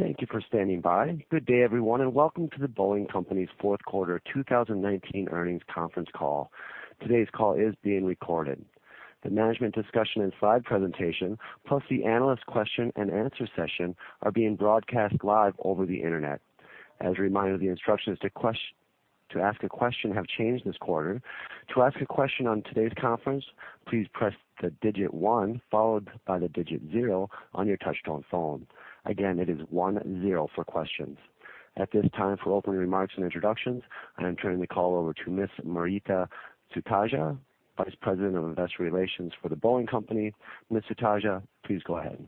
Thank you for standing by. Good day, everyone, and welcome to The Boeing Company's fourth quarter 2019 earnings conference call. Today's call is being recorded. The management discussion and slide presentation, plus the analyst question and answer session, are being broadcast live over the internet. As a reminder, the instructions to ask a question have changed this quarter. To ask a question on today's conference, please press the digit one followed by the digit zero on your touch-tone phone. Again, it is one zero for questions. At this time, for opening remarks and introductions, I am turning the call over to Ms. Maurita Sutedja, Vice President of Investor Relations for The Boeing Company. Ms. Sutedja, please go ahead.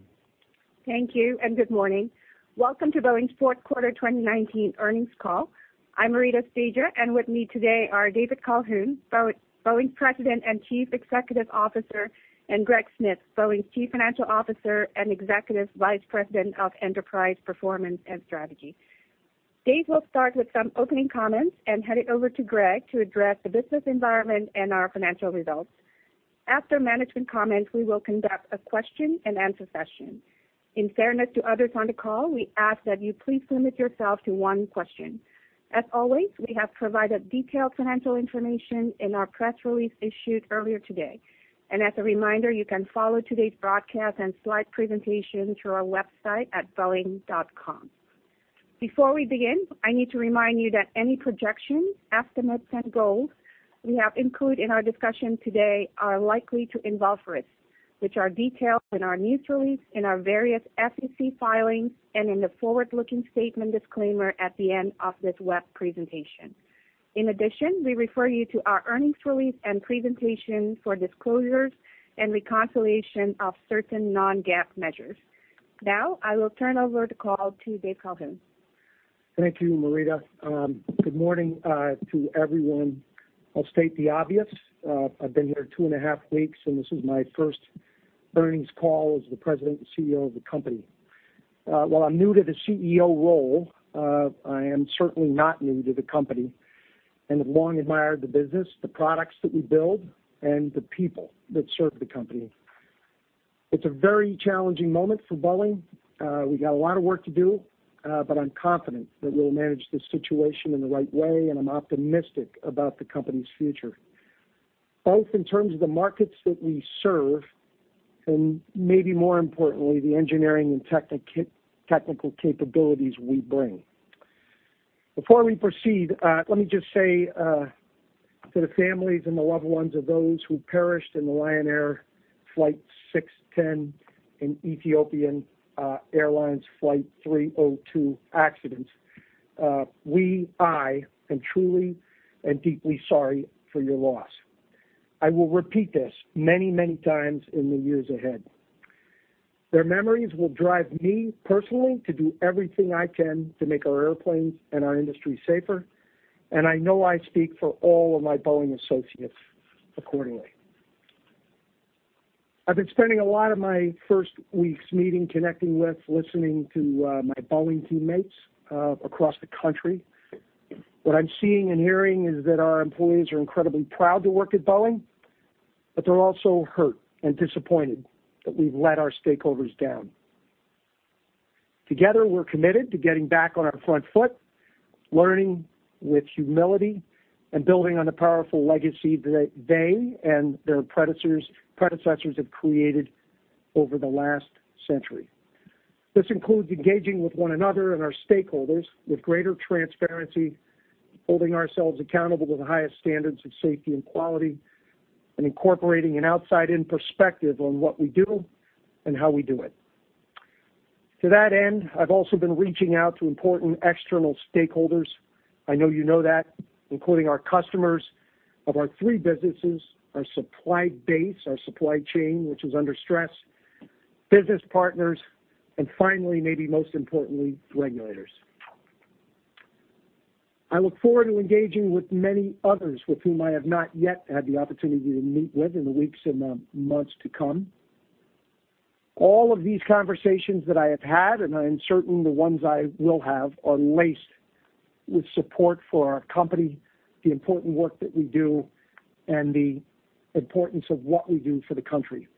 Thank you, good morning. Welcome to Boeing's fourth quarter 2019 earnings call. I'm Maurita Sutedja, and with me today are David Calhoun, Boeing's President and Chief Executive Officer, and Greg Smith, Boeing's Chief Financial Officer and Executive Vice President of Enterprise Performance and Strategy. Dave will start with some opening comments and hand it over to Greg to address the business environment and our financial results. After management comments, we will conduct a question and answer session. In fairness to others on the call, we ask that you please limit yourself to one question. As always, we have provided detailed financial information in our press release issued earlier today. As a reminder, you can follow today's broadcast and slide presentation through our website at boeing.com. Before we begin, I need to remind you that any projections, estimates, and goals we have included in our discussion today are likely to involve risks, which are detailed in our news release, in our various SEC filings, and in the forward-looking statement disclaimer at the end of this web presentation. In addition, we refer you to our earnings release and presentation for disclosures and reconciliation of certain non-GAAP measures. I will turn over the call to Dave Calhoun. Thank you, Maurita. Good morning to everyone. I'll state the obvious. I've been here two and a half weeks, and this is my first earnings call as the President and CEO of the company. While I'm new to the CEO role, I am certainly not new to the company and have long admired the business, the products that we build, and the people that serve the company. It's a very challenging moment for Boeing. We got a lot of work to do, but I'm confident that we'll manage this situation in the right way, and I'm optimistic about the company's future, both in terms of the markets that we serve and maybe more importantly, the engineering and technical capabilities we bring. Before we proceed, let me just say to the families and the loved ones of those who perished in the Lion Air Flight 610 and Ethiopian Airlines Flight 302 accidents, we, I, am truly and deeply sorry for your loss. I will repeat this many times in the years ahead. Their memories will drive me personally to do everything I can to make our airplanes and our industry safer, and I know I speak for all of my Boeing associates accordingly. I've been spending a lot of my first weeks meeting, connecting with, listening to my Boeing teammates across the country. What I'm seeing and hearing is that our employees are incredibly proud to work at Boeing, but they're also hurt and disappointed that we've let our stakeholders down. Together, we're committed to getting back on our front foot, learning with humility, and building on the powerful legacy that they and their predecessors have created over the last century. This includes engaging with one another and our stakeholders with greater transparency, holding ourselves accountable to the highest standards of safety and quality, and incorporating an outside-in perspective on what we do and how we do it. To that end, I've also been reaching out to important external stakeholders. I know you know that, including our customers of our three businesses, our supply base, our supply chain, which is under stress, business partners, and finally, maybe most importantly, regulators. I look forward to engaging with many others with whom I have not yet had the opportunity to meet with in the weeks and the months to come. All of these conversations that I have had, and I am certain the ones I will have, are laced with support for our company, the important work that we do, and the importance of what we do for the country.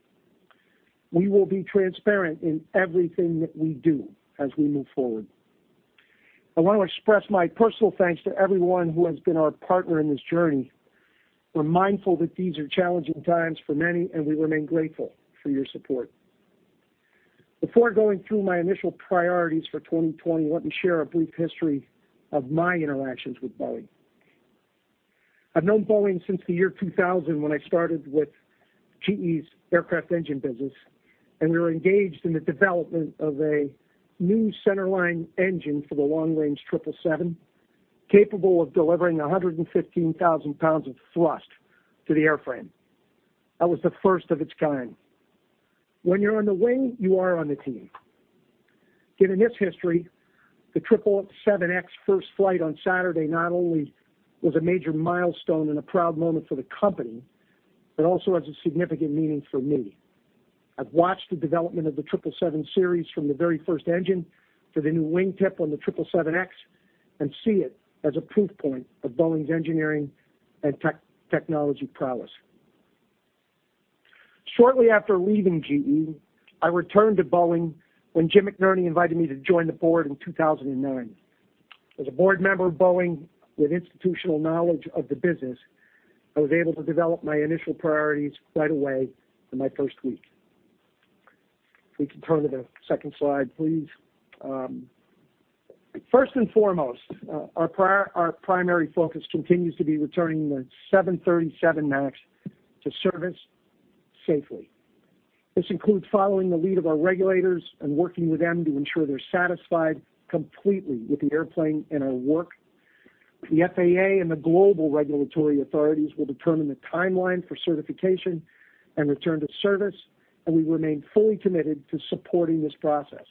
We will be transparent in everything that we do as we move forward. I want to express my personal thanks to everyone who has been our partner in this journey. We're mindful that these are challenging times for many, and we remain grateful for your support. Before going through my initial priorities for 2020, let me share a brief history of my interactions with Boeing. I've known Boeing since the year 2000 when I started with GE's aircraft engine business, and we were engaged in the development of a new centerline engine for the long-range 777, capable of delivering 115,000 pounds of thrust to the airframe. That was the first of its kind. When you're on the wing, you are on the team. Given its history, the 777X first flight on Saturday not only was a major milestone and a proud moment for the company, but also has a significant meaning for me. I've watched the development of the 777 series from the very first engine to the new wingtip on the 777X and see it as a proof point of Boeing's engineering and technology prowess. Shortly after leaving GE, I returned to Boeing when Jim McNerney invited me to join the board in 2009. As a board member of Boeing with institutional knowledge of the business, I was able to develop my initial priorities right away in my first week. If we can turn to the second slide, please. First and foremost, our primary focus continues to be returning the 737 MAX to service safely. This includes following the lead of our regulators and working with them to ensure they're satisfied completely with the airplane and our work. The FAA and the global regulatory authorities will determine the timeline for certification and return to service. We remain fully committed to supporting this process.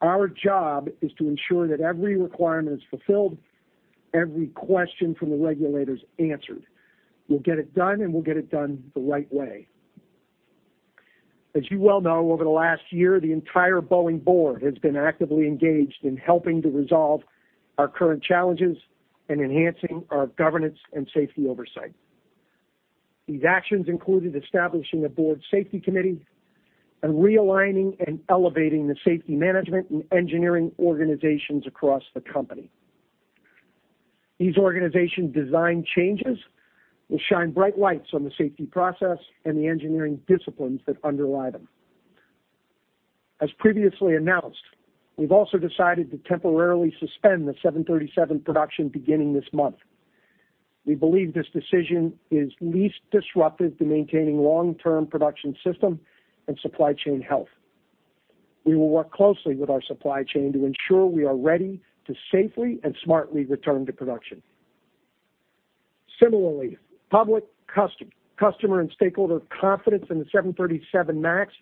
Our job is to ensure that every requirement is fulfilled, every question from the regulators answered. We'll get it done. We'll get it done the right way. As you well know, over the last year, the entire Boeing board has been actively engaged in helping to resolve our current challenges and enhancing our governance and safety oversight. These actions included establishing a board safety committee and realigning and elevating the safety management and engineering organizations across the company. These organization design changes will shine bright lights on the safety process and the engineering disciplines that underlie them. As previously announced, we've also decided to temporarily suspend the 737 production beginning this month. We believe this decision is least disruptive to maintaining long-term production system and supply chain health. We will work closely with our supply chain to ensure we are ready to safely and smartly return to production. Similarly, public, customer, and stakeholder confidence in the 737 MAX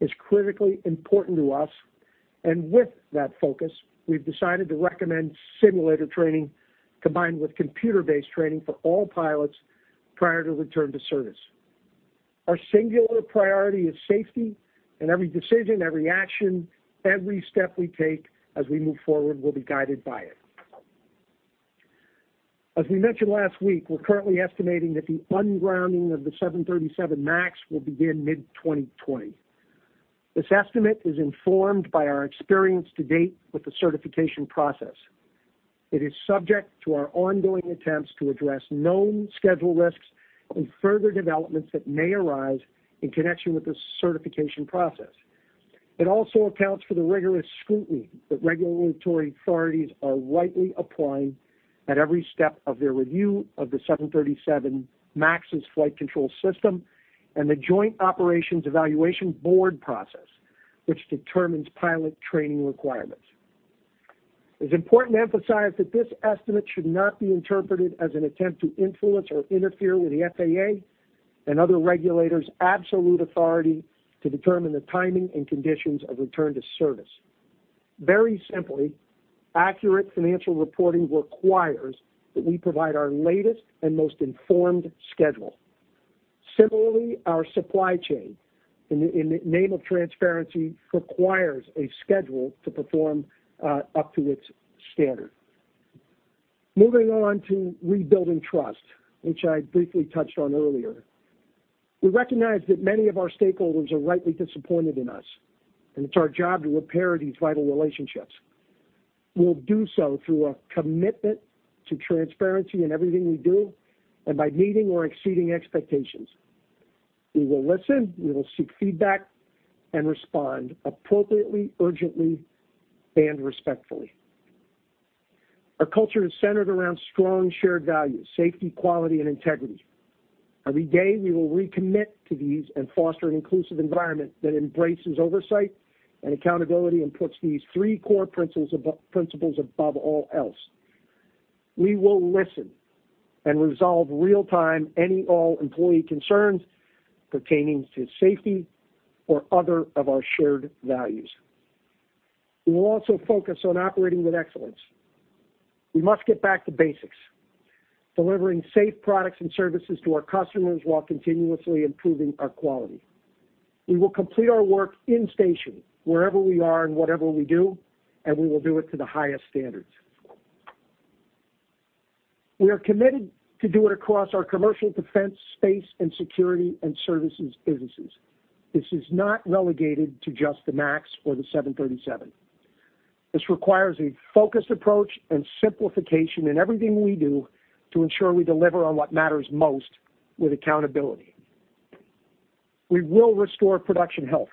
is critically important to us, and with that focus, we've decided to recommend simulator training combined with computer-based training for all pilots prior to return to service. Our singular priority is safety, and every decision, every action, every step we take as we move forward will be guided by it. As we mentioned last week, we're currently estimating that the ungrounding of the 737 MAX will begin mid-2020. This estimate is informed by our experience to date with the certification process. It is subject to our ongoing attempts to address known schedule risks and further developments that may arise in connection with this certification process. It also accounts for the rigorous scrutiny that regulatory authorities are rightly applying at every step of their review of the 737 MAX's flight control system and the Joint Operations Evaluation Board process, which determines pilot training requirements. It's important to emphasize that this estimate should not be interpreted as an attempt to influence or interfere with the FAA and other regulators' absolute authority to determine the timing and conditions of return to service. Very simply, accurate financial reporting requires that we provide our latest and most informed schedule. Similarly, our supply chain, in the name of transparency, requires a schedule to perform up to its standard. Moving on to rebuilding trust, which I briefly touched on earlier. We recognize that many of our stakeholders are rightly disappointed in us, and it's our job to repair these vital relationships. We'll do so through a commitment to transparency in everything we do and by meeting or exceeding expectations. We will listen, we will seek feedback, and respond appropriately, urgently, and respectfully. Our culture is centered around strong, shared values, safety, quality, and integrity. Every day we will recommit to these and foster an inclusive environment that embraces oversight and accountability and puts these three core principles above all else. We will listen and resolve real time any, all employee concerns pertaining to safety or other of our shared values. We will also focus on operating with excellence. We must get back to basics, delivering safe products and services to our customers while continuously improving our quality. We will complete our work in station, wherever we are and whatever we do, we will do it to the highest standards. We are committed to do it across our commercial Defense, Space & Security, and Services businesses. This is not relegated to just the MAX or the 737. This requires a focused approach and simplification in everything we do to ensure we deliver on what matters most with accountability. We will restore production health,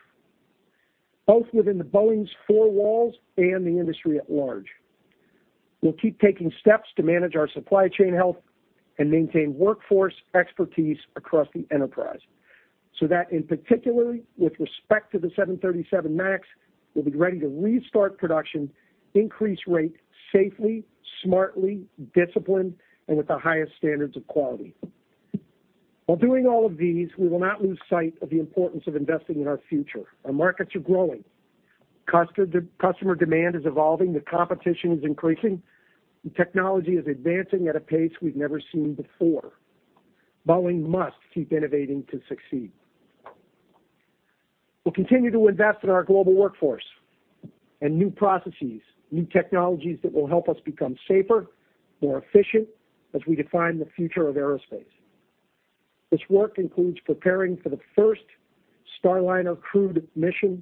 both within Boeing's four walls and the industry at large. We'll keep taking steps to manage our supply chain health and maintain workforce expertise across the enterprise, that in particular, with respect to the 737 MAX, we'll be ready to restart production, increase rate safely, smartly, disciplined, and with the highest standards of quality. While doing all of these, we will not lose sight of the importance of investing in our future. Our markets are growing. Customer demand is evolving. The competition is increasing, and technology is advancing at a pace we've never seen before. Boeing must keep innovating to succeed. We'll continue to invest in our global workforce and new processes, new technologies that will help us become safer, more efficient as we define the future of aerospace. This work includes preparing for the first Starliner crewed mission,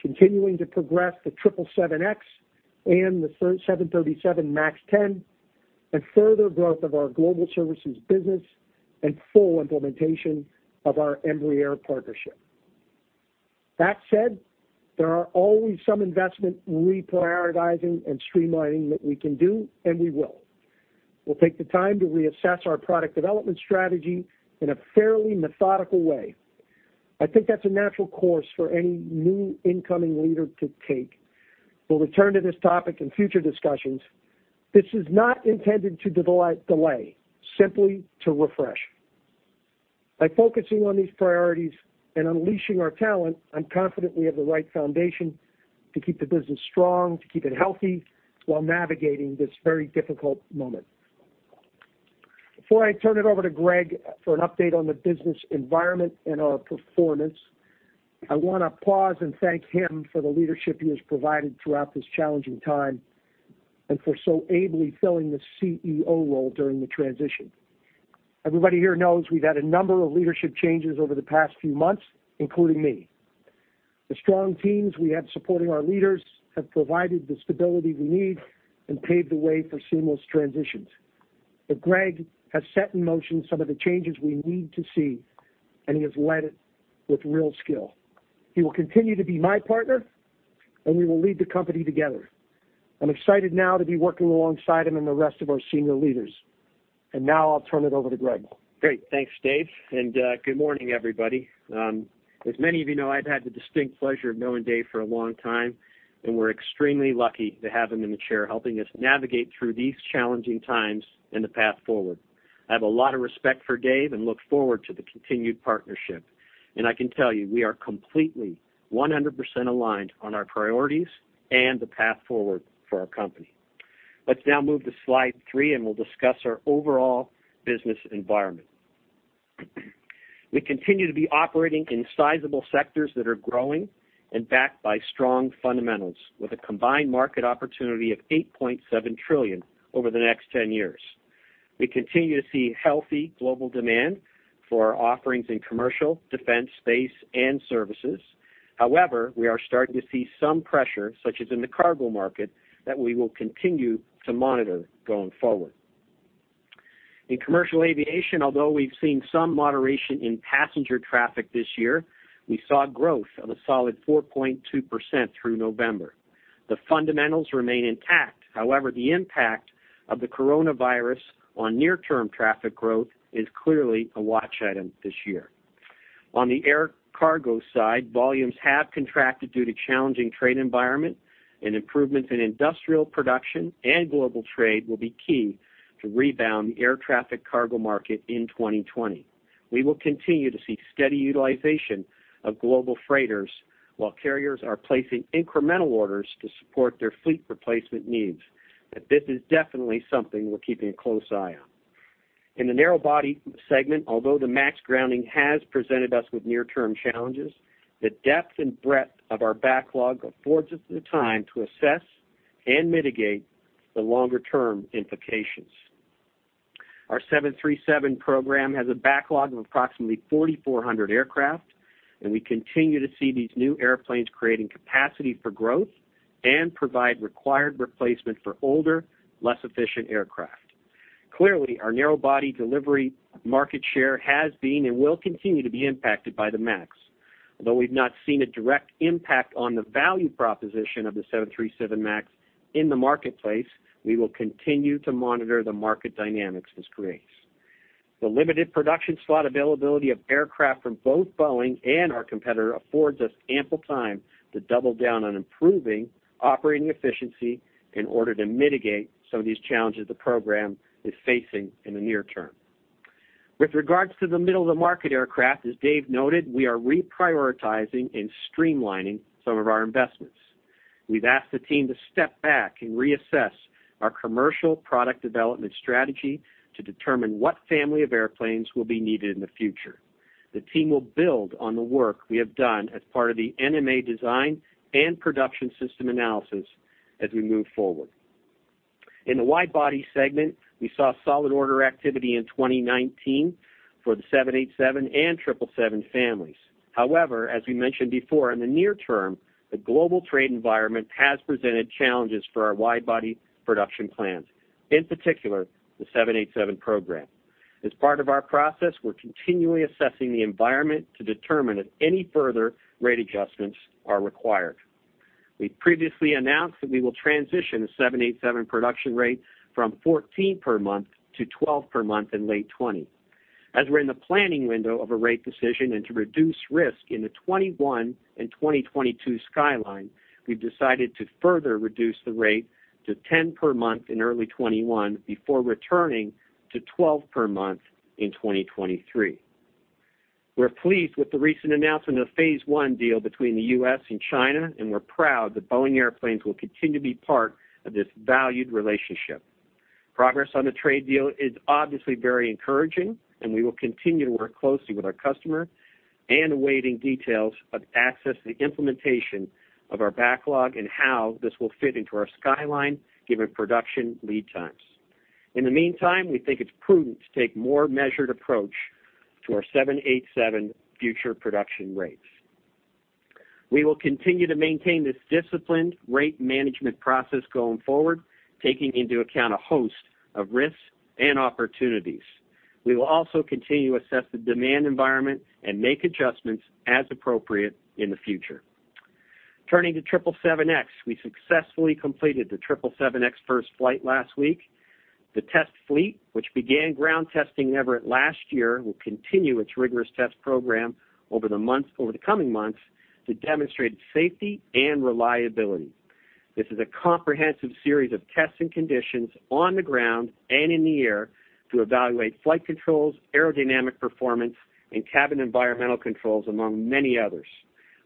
continuing to progress the 777X and the 737 MAX 10, and further growth of our Boeing Global Services business and full implementation of our Embraer partnership. That said, there are always some investment reprioritizing and streamlining that we can do, and we will. We'll take the time to reassess our product development strategy in a fairly methodical way. I think that's a natural course for any new incoming leader to take. We'll return to this topic in future discussions. This is not intended to delay, simply to refresh. By focusing on these priorities and unleashing our talent, I'm confident we have the right foundation to keep the business strong, to keep it healthy while navigating this very difficult moment. Before I turn it over to Greg for an update on the business environment and our performance, I want to pause and thank him for the leadership he has provided throughout this challenging time, and for so ably filling the CEO role during the transition. Everybody here knows we've had a number of leadership changes over the past few months, including me. The strong teams we have supporting our leaders have provided the stability we need and paved the way for seamless transitions. Greg has set in motion some of the changes we need to see, and he has led it with real skill. He will continue to be my partner, and we will lead the company together. I'm excited now to be working alongside him and the rest of our senior leaders. Now I'll turn it over to Greg. Great. Thanks, Dave, good morning, everybody. As many of you know, I've had the distinct pleasure of knowing Dave for a long time, and we're extremely lucky to have him in the chair helping us navigate through these challenging times and the path forward. I have a lot of respect for Dave and look forward to the continued partnership. I can tell you, we are completely 100% aligned on our priorities and the path forward for our company. Let's now move to slide three, and we'll discuss our overall business environment. We continue to be operating in sizable sectors that are growing and backed by strong fundamentals, with a combined market opportunity of $8.7 trillion over the next 10 years. We continue to see healthy global demand for our offerings in commercial, defense, space, and services. We are starting to see some pressure, such as in the cargo market, that we will continue to monitor going forward. In commercial aviation, although we've seen some moderation in passenger traffic this year, we saw growth of a solid 4.2% through November. The fundamentals remain intact. The impact of the coronavirus on near-term traffic growth is clearly a watch item this year. On the air cargo side, volumes have contracted due to challenging trade environment, improvements in industrial production and global trade will be key to rebound the air traffic cargo market in 2020. We will continue to see steady utilization of global freighters while carriers are placing incremental orders to support their fleet replacement needs. This is definitely something we're keeping a close eye on. In the narrow body segment, although the MAX grounding has presented us with near-term challenges, the depth and breadth of our backlog affords us the time to assess and mitigate the longer-term implications. Our 737 program has a backlog of approximately 4,400 aircraft, we continue to see these new airplanes creating capacity for growth and provide required replacement for older, less efficient aircraft. Clearly, our narrow body delivery market share has been and will continue to be impacted by the MAX. Although we've not seen a direct impact on the value proposition of the 737 MAX in the marketplace, we will continue to monitor the market dynamics this creates. The limited production slot availability of aircraft from both Boeing and our competitor affords us ample time to double down on improving operating efficiency in order to mitigate some of these challenges the program is facing in the near term. With regards to the middle of the market aircraft, as Dave noted, we are reprioritizing and streamlining some of our investments. We've asked the team to step back and reassess our commercial product development strategy to determine what family of airplanes will be needed in the future. The team will build on the work we have done as part of the NMA design and production system analysis as we move forward. In the wide body segment, we saw solid order activity in 2019 for the 787 and 777 families. As we mentioned before, in the near term, the global trade environment has presented challenges for our wide body production plans, in particular, the 787 program. As part of our process, we're continually assessing the environment to determine if any further rate adjustments are required. We previously announced that we will transition the 787 production rate from 14 per month to 12 per month in late 2020. As we're in the planning window of a rate decision and to reduce risk in the 2021 and 2022 skyline, we've decided to further reduce the rate to 10 per month in early 2021 before returning to 12 per month in 2023. We're pleased with the recent announcement of phase one deal between the U.S. and China, and we're proud that Boeing airplanes will continue to be part of this valued relationship. Progress on the trade deal is obviously very encouraging, and we will continue to work closely with our customer and awaiting details of access to the implementation of our backlog and how this will fit into our skyline, given production lead times. In the meantime, we think it's prudent to take more measured approach to our 787 future production rates. We will continue to maintain this disciplined rate management process going forward, taking into account a host of risks and opportunities. We will also continue to assess the demand environment and make adjustments as appropriate in the future. Turning to 777X, we successfully completed the 777X first flight last week. The test fleet, which began ground testing in Everett last year, will continue its rigorous test program over the coming months to demonstrate safety and reliability. This is a comprehensive series of tests and conditions on the ground and in the air to evaluate flight controls, aerodynamic performance, and cabin environmental controls, among many others.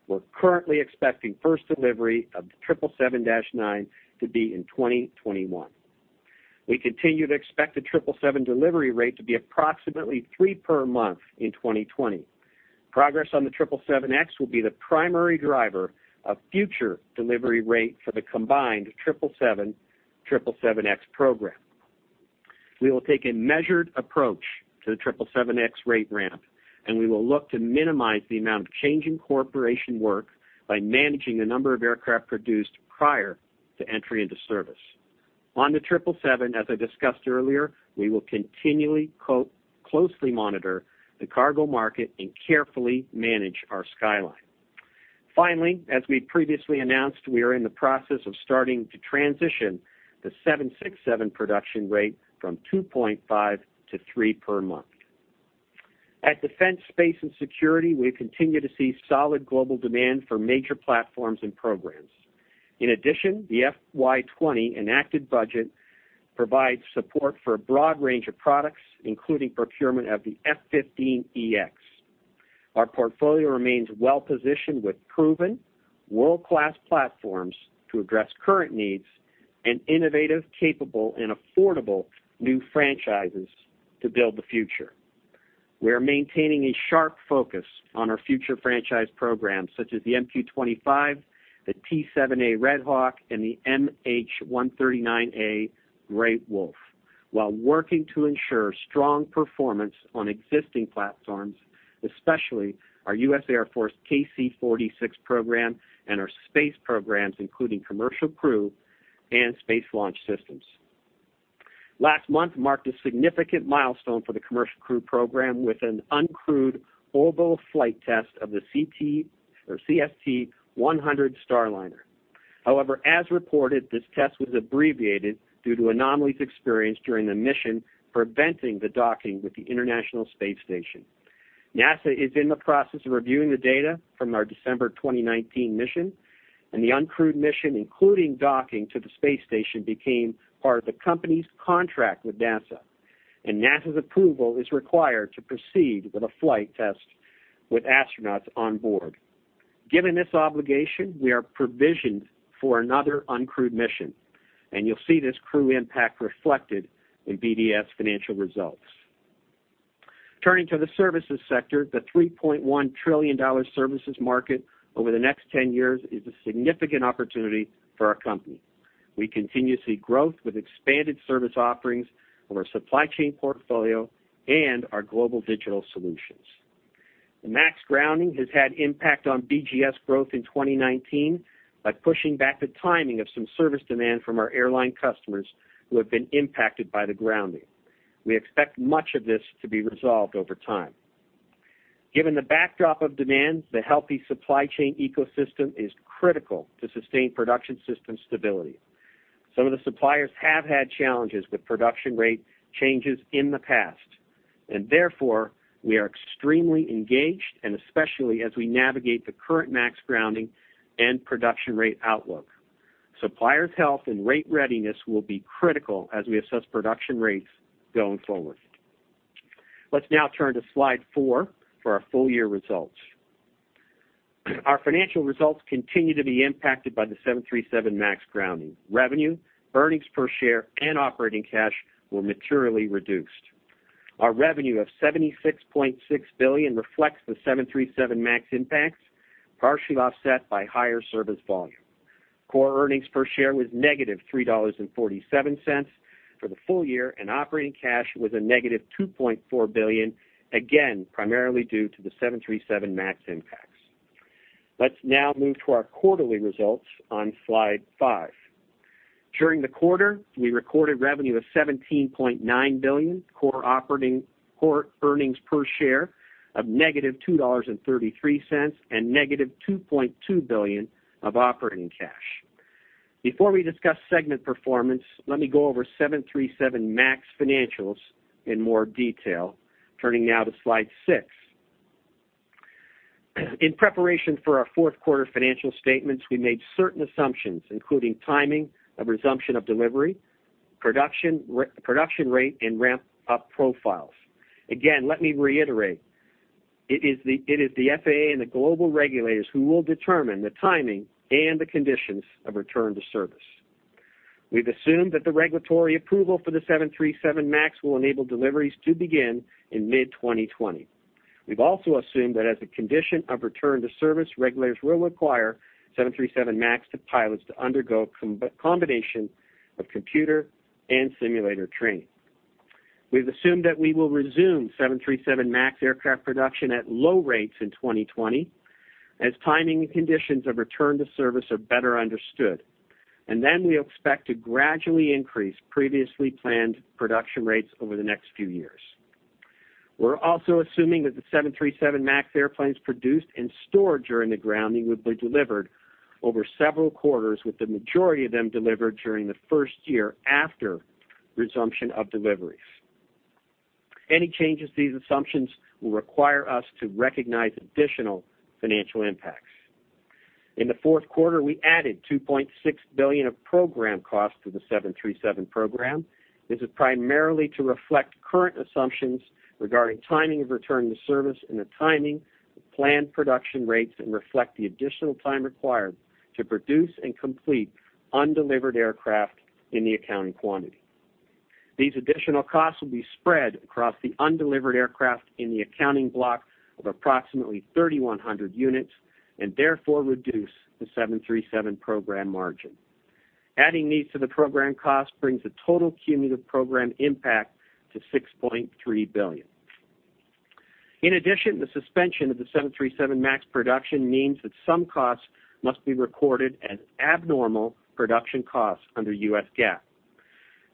We're currently expecting first delivery of the 777-9 to be in 2021. We continue to expect the 777 delivery rate to be approximately three per month in 2020. Progress on the 777X will be the primary driver of future delivery rate for the combined 777, 777X program. We will take a measured approach to the 777X rate ramp, and we will look to minimize the amount of change incorporation work by managing the number of aircraft produced prior to entry into service. On the 777, as I discussed earlier, we will continually closely monitor the cargo market and carefully manage our skyline. Finally, as we previously announced, we are in the process of starting to transition the 767 production rate from 2.5 to 3 per month. At Defense, Space & Security, we continue to see solid global demand for major platforms and programs. In addition, the FY 2020 enacted budget provides support for a broad range of products, including procurement of the F-15EX. Our portfolio remains well-positioned with proven world-class platforms to address current needs and innovative, capable, and affordable new franchises to build the future. We are maintaining a sharp focus on our future franchise programs such as the MQ-25, the T-7A Red Hawk, and the MH-139A Grey Wolf, while working to ensure strong performance on existing platforms, especially our U.S. Air Force KC-46 program and our space programs, including Commercial Crew and Space Launch Systems. Last month marked a significant milestone for the Commercial Crew program with an uncrewed orbital flight test of the CST-100 Starliner. However, as reported, this test was abbreviated due to anomalies experienced during the mission, preventing the docking with the International Space Station. NASA is in the process of reviewing the data from our December 2019 mission. The uncrewed mission, including docking to the space station, became part of the company's contract with NASA. NASA's approval is required to proceed with a flight test with astronauts on board. Given this obligation, we are provisioned for another uncrewed mission. You'll see this crew impact reflected in BDS financial results. Turning to the services sector, the $3.1 trillion services market over the next 10 years is a significant opportunity for our company. We continue to see growth with expanded service offerings of our supply chain portfolio and our global digital solutions. The MAX grounding has had impact on BGS growth in 2019 by pushing back the timing of some service demand from our airline customers who have been impacted by the grounding. We expect much of this to be resolved over time. Given the backdrop of demand, the healthy supply chain ecosystem is critical to sustain production system stability. Some of the suppliers have had challenges with production rate changes in the past. We are extremely engaged, as we navigate the current 737 MAX grounding and production rate outlook. Suppliers' health and rate readiness will be critical as we assess production rates going forward. Let's now turn to slide four for our full-year results. Our financial results continue to be impacted by the 737 MAX grounding. Revenue, earnings per share, and operating cash were materially reduced. Our revenue of $76.6 billion reflects the 737 MAX impacts, partially offset by higher service volume. Core earnings per share was -$3.47 for the full year. Operating cash was a -$2.4 billion, again, primarily due to the 737 MAX impacts. Let's now move to our quarterly results on slide five. During the quarter, we recorded revenue of $17.9 billion, core earnings per share of -$2.33, and -$2.2 billion of operating cash. Before we discuss segment performance, let me go over 737 MAX financials in more detail, turning now to slide six. In preparation for our fourth quarter financial statements, we made certain assumptions, including timing of resumption of delivery, production rate, and ramp-up profiles. Again, let me reiterate. It is the FAA and the global regulators who will determine the timing and the conditions of return to service. We've assumed that the regulatory approval for the 737 MAX will enable deliveries to begin in mid-2020. We've also assumed that as a condition of return to service, regulators will require 737 MAX pilots to undergo a combination of computer and simulator training. We've assumed that we will resume 737 MAX aircraft production at low rates in 2020, as timing and conditions of return to service are better understood, and then we expect to gradually increase previously planned production rates over the next few years. We're also assuming that the 737 MAX airplanes produced and stored during the grounding will be delivered over several quarters, with the majority of them delivered during the first year after resumption of deliveries. Any changes to these assumptions will require us to recognize additional financial impacts. In the fourth quarter, we added $2.6 billion of program costs to the 737 program. This is primarily to reflect current assumptions regarding timing of return to service and the timing of planned production rates, and reflect the additional time required to produce and complete undelivered aircraft in the accounting quantity. These additional costs will be spread across the undelivered aircraft in the accounting block of approximately 3,100 units, and therefore reduce the 737 program margin. Adding these to the program cost brings the total cumulative program impact to $6.3 billion. In addition, the suspension of the 737 MAX production means that some costs must be recorded as abnormal production costs under U.S. GAAP.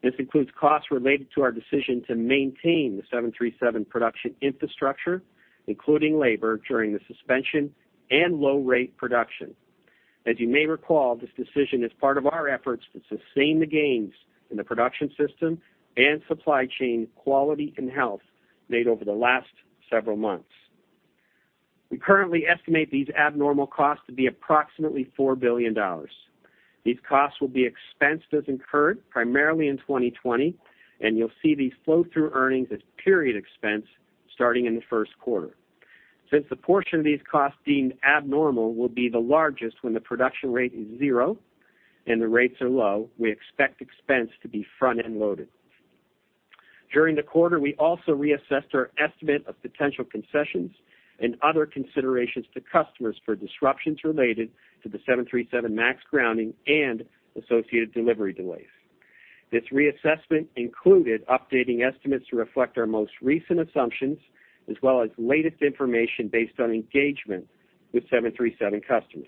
This includes costs related to our decision to maintain the 737 production infrastructure, including labor, during the suspension and low-rate production. As you may recall, this decision is part of our efforts to sustain the gains in the production system and supply chain quality and health made over the last several months. We currently estimate these abnormal costs to be approximately $4 billion. These costs will be expensed as incurred, primarily in 2020, and you'll see these flow through earnings as period expense starting in the first quarter. Since the portion of these costs deemed abnormal will be the largest when the production rate is zero and the rates are low, we expect expense to be front-end loaded. During the quarter, we also reassessed our estimate of potential concessions and other considerations to customers for disruptions related to the 737 MAX grounding and associated delivery delays. This reassessment included updating estimates to reflect our most recent assumptions, as well as latest information based on engagement with 737 customers.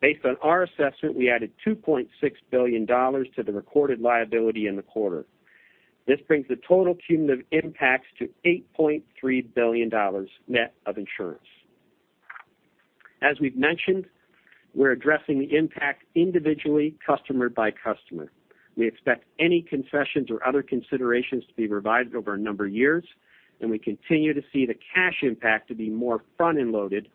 Based on our assessment, we added $2.6 billion to the recorded liability in the quarter. This brings the total cumulative impacts to $8.3 billion, net of insurance. As we've mentioned, we're addressing the impact individually, customer by customer. We expect any concessions or other considerations to be revised over a number of years, and we continue to see the cash impact to be more front-end loaded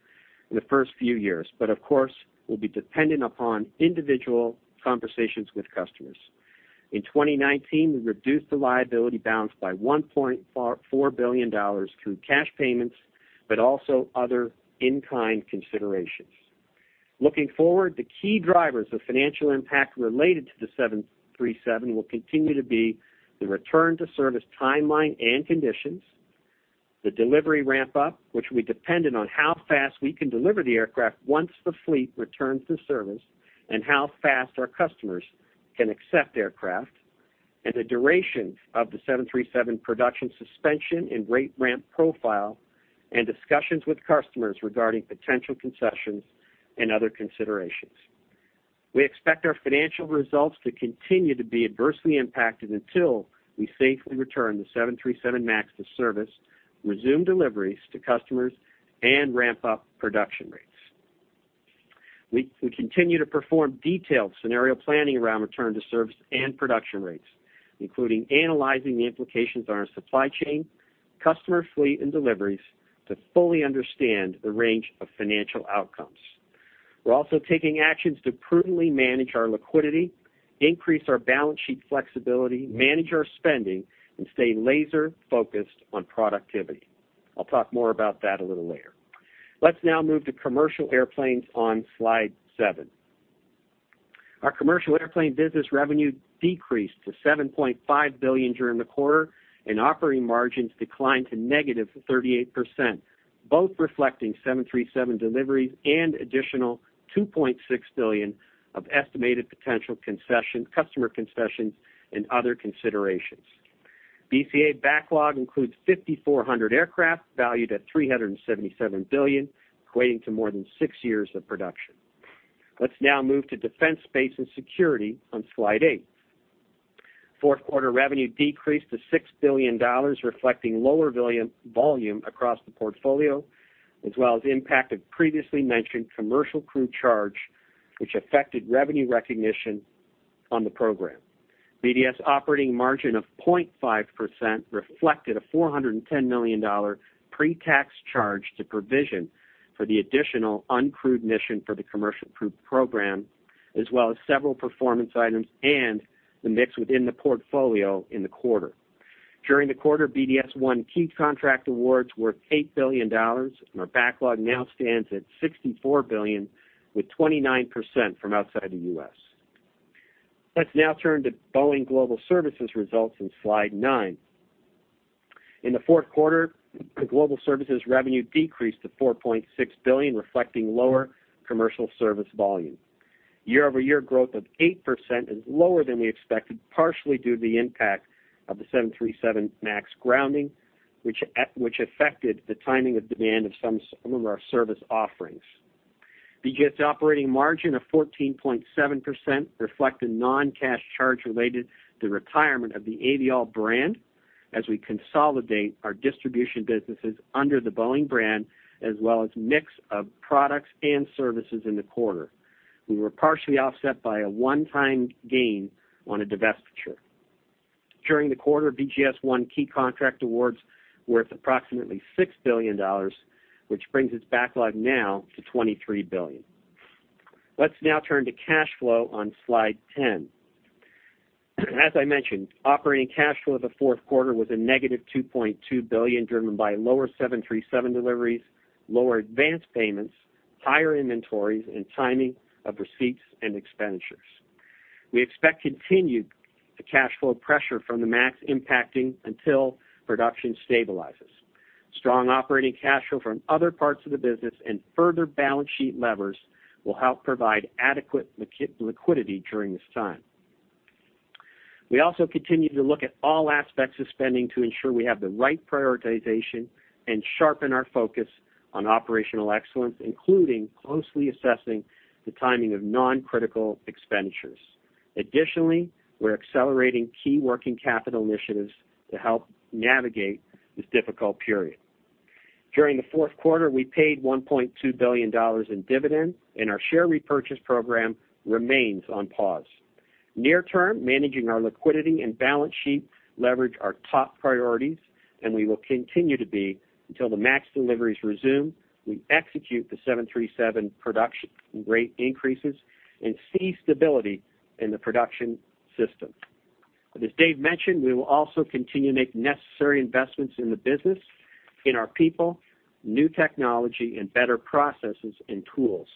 in the first few years, but of course, will be dependent upon individual conversations with customers. In 2019, we reduced the liability balance by $1.4 billion through cash payments, but also other in-kind considerations. Looking forward, the key drivers of financial impact related to the 737 will continue to be the return to service timeline and conditions, the delivery ramp-up, which will be dependent on how fast we can deliver the aircraft once the fleet returns to service and how fast our customers can accept aircraft, and the duration of the 737 production suspension and rate ramp profile, and discussions with customers regarding potential concessions and other considerations. We expect our financial results to continue to be adversely impacted until we safely return the 737 MAX to service, resume deliveries to customers, and ramp up production rates. We continue to perform detailed scenario planning around return to service and production rates, including analyzing the implications on our supply chain, customer fleet, and deliveries to fully understand the range of financial outcomes. We're also taking actions to prudently manage our liquidity, increase our balance sheet flexibility, manage our spending, and stay laser-focused on productivity. I'll talk more about that a little later. Let's now move to commercial airplanes on slide seven. Our commercial airplane business revenue decreased to $7.5 billion during the quarter, and operating margins declined to -38%, both reflecting 737 deliveries and additional $2.6 billion of estimated potential customer concessions and other considerations. BCA backlog includes 5,400 aircraft valued at $377 billion, equating to more than six years of production. Let's now move to Defense, Space & Security on slide eight. Fourth quarter revenue decreased to $6 billion, reflecting lower volume across the portfolio, as well as the impact of previously mentioned commercial crew charge, which affected revenue recognition on the program. BDS operating margin of 0.5% reflected a $410 million pre-tax charge to provision for the additional uncrewed mission for the commercial crew program, as well as several performance items and the mix within the portfolio in the quarter. During the quarter, BDS won key contract awards worth $8 billion, and our backlog now stands at $64 billion, with 29% from outside the U.S. Let's now turn to Boeing Global Services results on slide nine. In the fourth quarter, the global services revenue decreased to $4.6 billion, reflecting lower commercial service volume. Year-over-year growth of 8% is lower than we expected, partially due to the impact of the 737 MAX grounding, which affected the timing of demand of some of our service offerings. BGS operating margin of 14.7% reflect a non-cash charge related to retirement of the Aviall brand as we consolidate our distribution businesses under the Boeing brand, as well as mix of products and services in the quarter. We were partially offset by a one-time gain on a divestiture. During the quarter, BGS won key contract awards worth approximately $6 billion, which brings its backlog now to $23 billion. Let's now turn to cash flow on slide 10. As I mentioned, operating cash flow of the fourth quarter was a -$2.2 billion, driven by lower 737 deliveries, lower advanced payments, higher inventories, and timing of receipts and expenditures. We expect continued cash flow pressure from the MAX impacting until production stabilizes. Strong operating cash flow from other parts of the business and further balance sheet levers will help provide adequate liquidity during this time. We also continue to look at all aspects of spending to ensure we have the right prioritization and sharpen our focus on operational excellence, including closely assessing the timing of non-critical expenditures. Additionally, we're accelerating key working capital initiatives to help navigate this difficult period. During the fourth quarter, we paid $1.2 billion in dividends, and our share repurchase program remains on pause. Near term, managing our liquidity and balance sheet leverage are top priorities, and we will continue to be until the MAX deliveries resume, we execute the 737 production rate increases, and see stability in the production system. As David mentioned, we will also continue to make necessary investments in the business, in our people, new technology, and better processes and tools.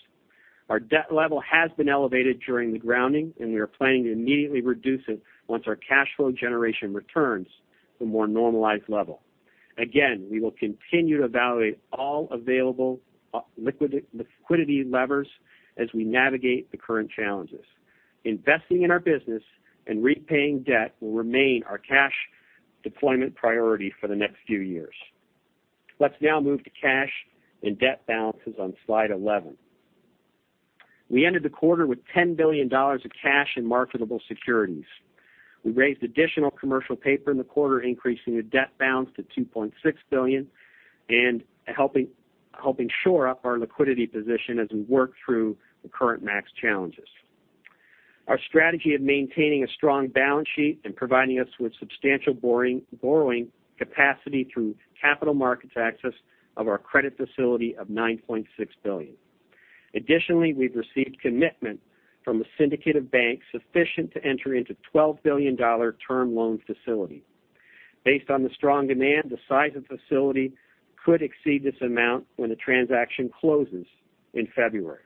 Our debt level has been elevated during the grounding, and we are planning to immediately reduce it once our cash flow generation returns to a more normalized level. Again, we will continue to evaluate all available liquidity levers as we navigate the current challenges. Investing in our business and repaying debt will remain our cash deployment priority for the next few years. Let's now move to cash and debt balances on slide 11. We ended the quarter with $10 billion of cash in marketable securities. We raised additional commercial paper in the quarter, increasing the debt balance to $2.6 billion and helping shore up our liquidity position as we work through the current MAX challenges. Our strategy of maintaining a strong balance sheet and providing us with substantial borrowing capacity through capital markets access of our credit facility of $9.6 billion. Additionally, we've received commitment from a syndicate of banks sufficient to enter into $12 billion term loan facility. Based on the strong demand, the size of the facility could exceed this amount when the transaction closes in February.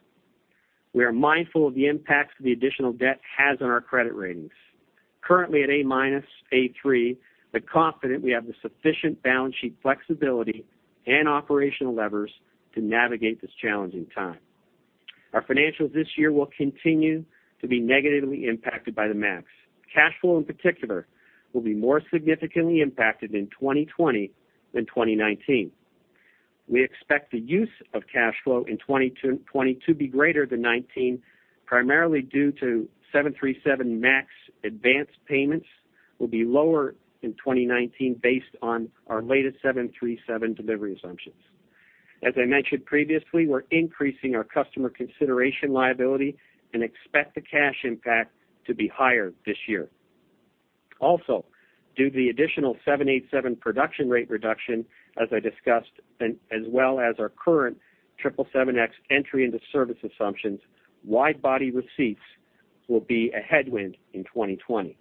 We are mindful of the impacts the additional debt has on our credit ratings. Currently at A minus, A3, but confident we have the sufficient balance sheet flexibility and operational levers to navigate this challenging time. Our financials this year will continue to be negatively impacted by the MAX. Cash flow in particular, will be more significantly impacted in 2020 than 2019. We expect the use of cash flow in 2020 to be greater than 2019, primarily due to 737 MAX advanced payments will be lower in 2019 based on our latest 737 delivery assumptions. As I mentioned previously, we're increasing our customer consideration liability and expect the cash impact to be higher this year. Also, due to the additional 787 production rate reduction, as I discussed, as well as our current 777X entry into service assumptions, wide-body receipts will be a headwind in 2020.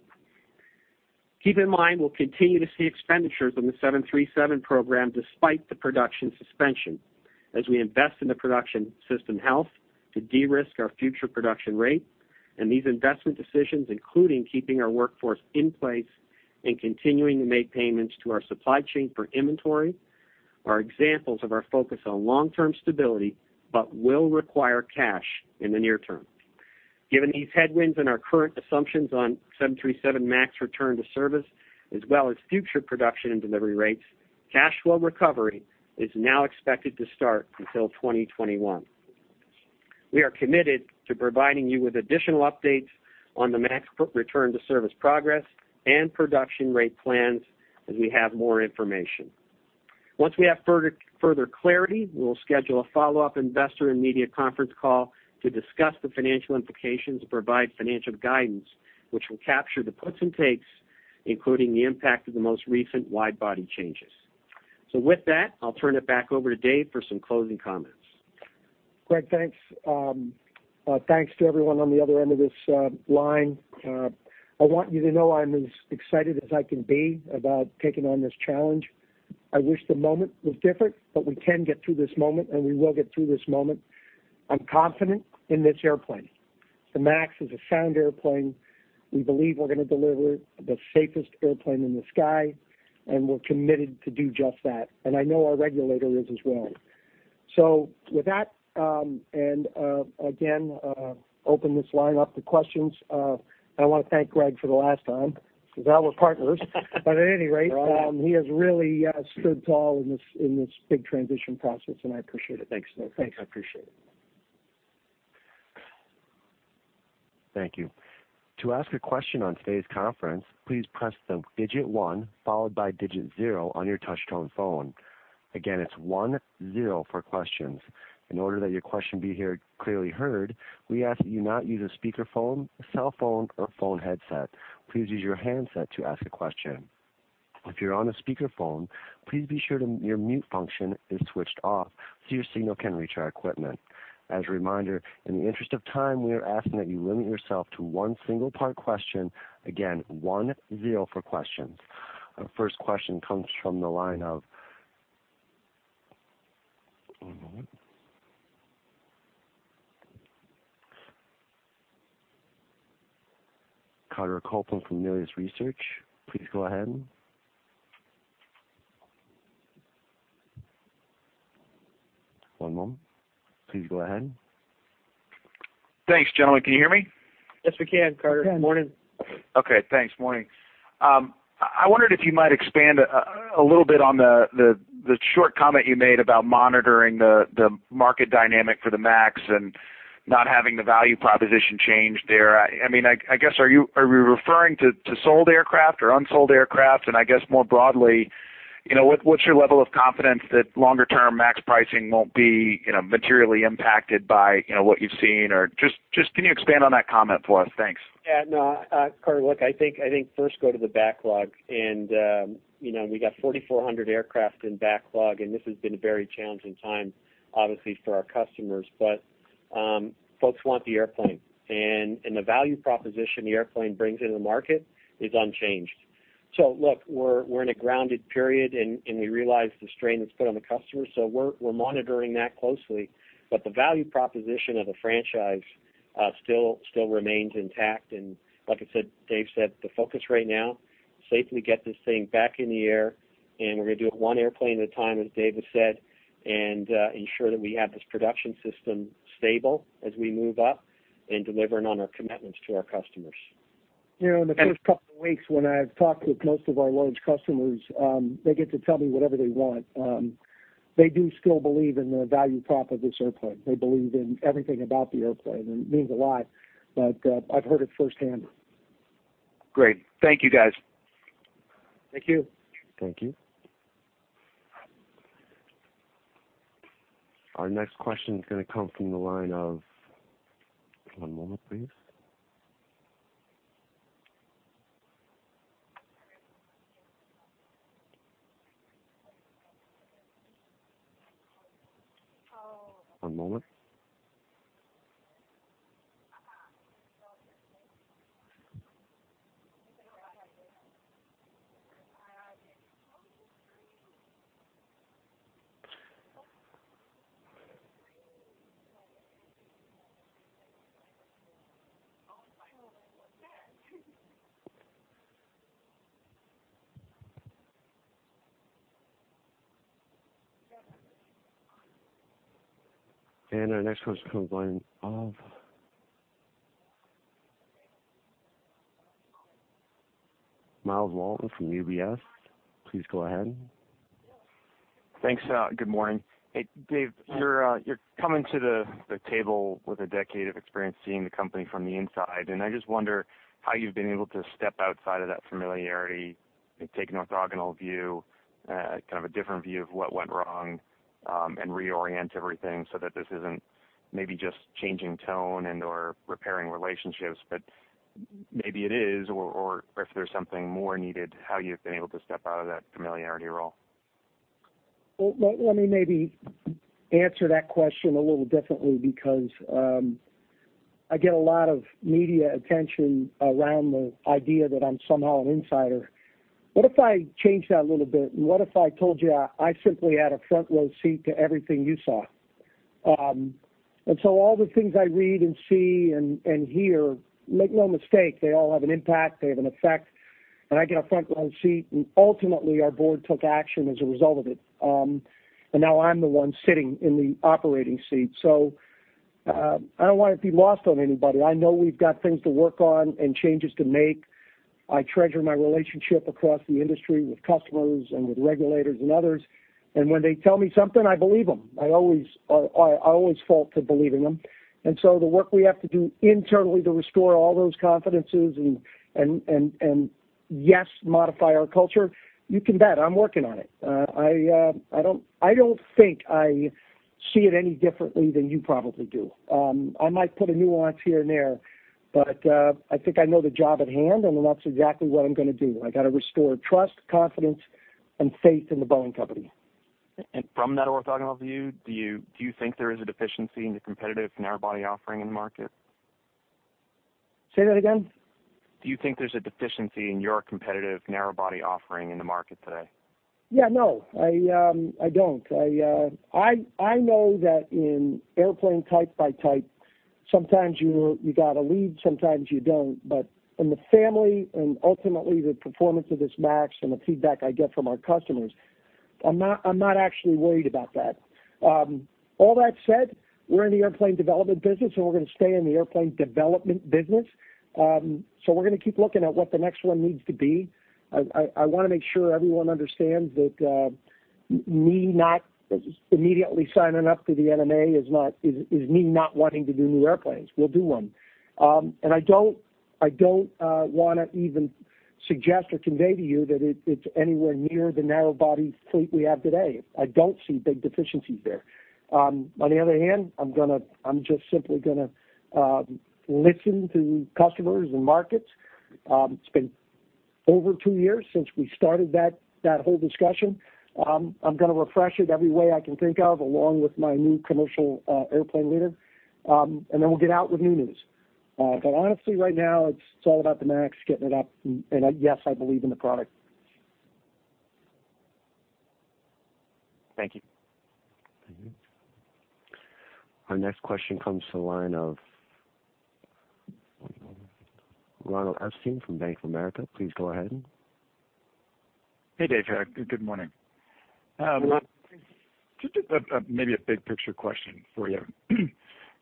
Keep in mind, we'll continue to see expenditures on the 737 program despite the production suspension as we invest in the production system health to de-risk our future production rate, and these investment decisions, including keeping our workforce in place and continuing to make payments to our supply chain for inventory, are examples of our focus on long-term stability but will require cash in the near term. Given these headwinds and our current assumptions on 737 MAX return to service, as well as future production and delivery rates, cash flow recovery is now expected to start until 2021. We are committed to providing you with additional updates on the MAX return to service progress and production rate plans as we have more information. Once we have further clarity, we will schedule a follow-up investor and media conference call to discuss the financial implications and provide financial guidance, which will capture the puts and takes, including the impact of the most recent wide-body changes. With that, I'll turn it back over to Dave for some closing comments. Greg, thanks. Thanks to everyone on the other end of this line. I want you to know I'm as excited as I can be about taking on this challenge. I wish the moment was different, but we can get through this moment, and we will get through this moment. I'm confident in this airplane. The MAX is a sound airplane. We believe we're going to deliver the safest airplane in the sky, and we're committed to do just that. I know our regulator is as well. With that, and again, open this line up to questions. I want to thank Greg for the last time, because now we're partners. You're on. But anyway, he has really stood tall in this big transition process, and I appreciate it. Thanks. Thanks. I appreciate it. Thank you. To ask a question on today's conference, please press the digit one followed by digit zero on your touch-tone phone. Again, it's one zero for questions. In order that your question be clearly heard, we ask that you not use a speakerphone, cell phone, or phone headset. Please use your handset to ask a question. If you're on a speakerphone, please be sure your mute function is switched off so your signal can reach our equipment. As a reminder, in the interest of time, we are asking that you limit yourself to one single part question. Again, one zero for questions. Our first question comes from the line of Carter Copeland from Melius Research. Please go ahead. One moment. Please go ahead. Thanks, gentlemen. Can you hear me? Yes, we can, Carter. Yes. Morning. Okay, thanks. Morning. I wondered if you might expand a little bit on the short comment you made about monitoring the market dynamic for the MAX and not having the value proposition change there. I guess, are we referring to sold aircraft or unsold aircraft? And I guess more broadly, what's your level of confidence that longer term MAX pricing won't be materially impacted by what you've seen, or just can you expand on that comment for us? Thanks. Yeah, no. Carter, look, I think first go to the backlog. We got 4,400 aircraft in backlog. This has been a very challenging time, obviously, for our customers. Folks want the airplane. The value proposition the airplane brings into the market is unchanged. Look, we're in a grounded period, and we realize the strain that's put on the customer, so we're monitoring that closely. The value proposition of the franchise still remains intact. Like I said, Dave said, the focus right now, safely get this thing back in the air, and we're going to do it one airplane at a time, as Dave has said, and ensure that we have this production system stable as we move up and delivering on our commitments to our customers. In the first couple of weeks when I've talked with most of our large customers, they get to tell me whatever they want. They do still believe in the value prop of this airplane. They believe in everything about the airplane, and it means a lot. I've heard it firsthand. Great. Thank you, guys. Thank you. Thank you. Our next question is going to come from the line of, one moment, please. One moment. Our next question comes from the line of Myles Walton from UBS. Please go ahead. Thanks. Good morning. Hey, Dave, you're coming to the table with a decade of experience seeing the company from the inside, I just wonder how you've been able to step outside of that familiarity and take an orthogonal view, kind of a different view of what went wrong, and reorient everything so that this isn't maybe just changing tone and/or repairing relationships. Maybe it is, or if there's something more needed, how you've been able to step out of that familiarity role? Let me maybe answer that question a little differently because I get a lot of media attention around the idea that I'm somehow an insider. What if I change that a little bit, and what if I told you I simply had a front row seat to everything you saw? All the things I read and see and hear, make no mistake, they all have an impact. They have an effect. I get a front row seat, and ultimately our board took action as a result of it. Now I'm the one sitting in the operating seat. I don't want it to be lost on anybody. I know we've got things to work on and changes to make. I treasure my relationship across the industry with customers and with regulators and others. When they tell me something, I believe them. I always fault to believing them. The work we have to do internally to restore all those confidences and yes, modify our culture, you can bet I'm working on it. I don't think I see it any differently than you probably do. I might put a nuance here and there, but I think I know the job at hand, and that's exactly what I'm going to do. I've got to restore trust, confidence, and faith in the Boeing Company. From that orthogonal view, do you think there is a deficiency in the competitive narrow-body offering in the market? Say that again. Do you think there's a deficiency in your competitive narrow-body offering in the market today? Yeah, no. I don't. I know that in airplane type by type, sometimes you've got a lead, sometimes you don't. In the family and ultimately the performance of this MAX and the feedback I get from our customers, I'm not actually worried about that. All that said, we're in the airplane development business, and we're going to stay in the airplane development business. We're going to keep looking at what the next one needs to be. I want to make sure everyone understands that me not immediately signing up to the NMA is me not wanting to do new airplanes. We'll do one. I don't want to even suggest or convey to you that it's anywhere near the narrow-body fleet we have today. I don't see big deficiencies there. On the other hand, I'm just simply going to listen to customers and markets. It's been over two years since we started that whole discussion. I'm going to refresh it every way I can think of, along with my new commercial airplane leader, and then we'll get out with new news. Honestly, right now it's all about the MAX, getting it up, and yes, I believe in the product. Thank you. Thank you. Our next question comes to the line of Ronald Epstein from Bank of America. Please go ahead. Hey, Dave. Good morning. Just maybe a big picture question for you.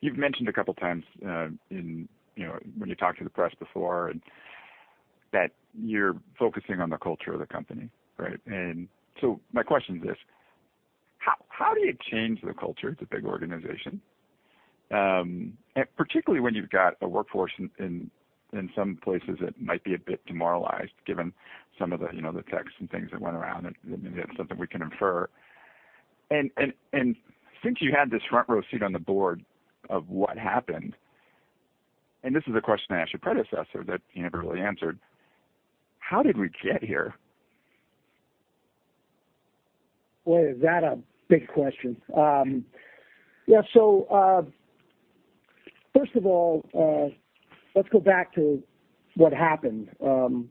You've mentioned a couple of times when you talked to the press before that you're focusing on the culture of the company, right? My question is this. How do you change the culture? It's a big organization, particularly when you've got a workforce in some places that might be a bit demoralized, given some of the texts and things that went around, and maybe that's something we can infer. Since you had this front-row seat on the board of what happened, and this is a question I asked your predecessor that he never really answered, how did we get here? Boy, is that a big question. First of all, let's go back to what happened. The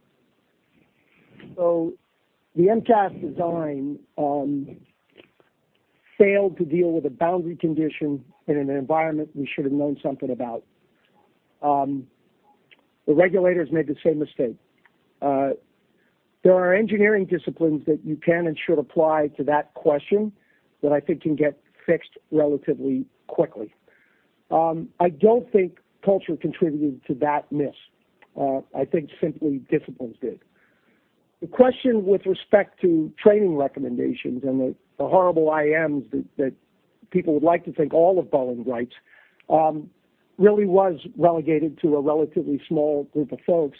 MCAS design failed to deal with a boundary condition in an environment we should have known something about. The regulators made the same mistake. There are engineering disciplines that you can and should apply to that question that I think can get fixed relatively quickly. I don't think culture contributed to that miss. I think simply disciplines did. The question with respect to training recommendations and the horrible IMs that people would like to think all of Boeing writes really was relegated to a relatively small group of folks,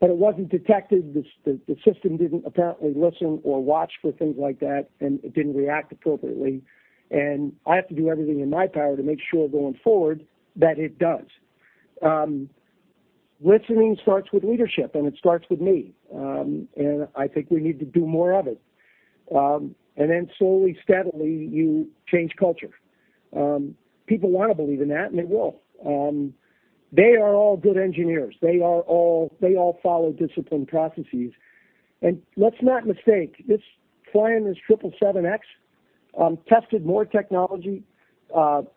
but it wasn't detected. The system didn't apparently listen or watch for things like that, and it didn't react appropriately. I have to do everything in my power to make sure going forward that it does. Listening starts with leadership, and it starts with me, and I think we need to do more of it. Slowly, steadily, you change culture. People want to believe in that, and they will. They are all good engineers. They all follow disciplined processes. Let's not mistake, flying this 777X tested more technology,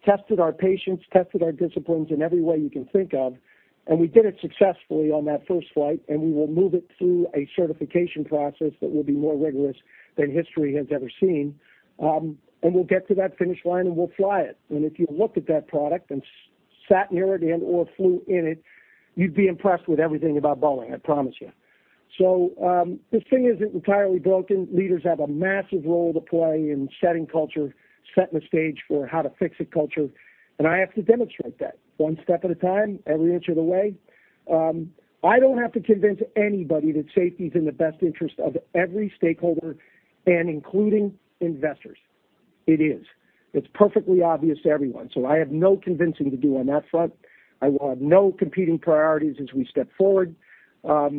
tested our patience, tested our disciplines in every way you can think of, and we did it successfully on that first flight. We will move it through a certification process that will be more rigorous than history has ever seen. We'll get to that finish line, and we'll fly it. If you looked at that product and sat near it and/or flew in it, you'd be impressed with everything about Boeing, I promise you. This thing isn't entirely broken. Leaders have a massive role to play in setting culture, setting the stage for how to fix a culture, and I have to demonstrate that one step at a time, every inch of the way. I don't have to convince anybody that safety's in the best interest of every stakeholder and including investors. It is. It's perfectly obvious to everyone. I have no convincing to do on that front. I will have no competing priorities as we step forward. I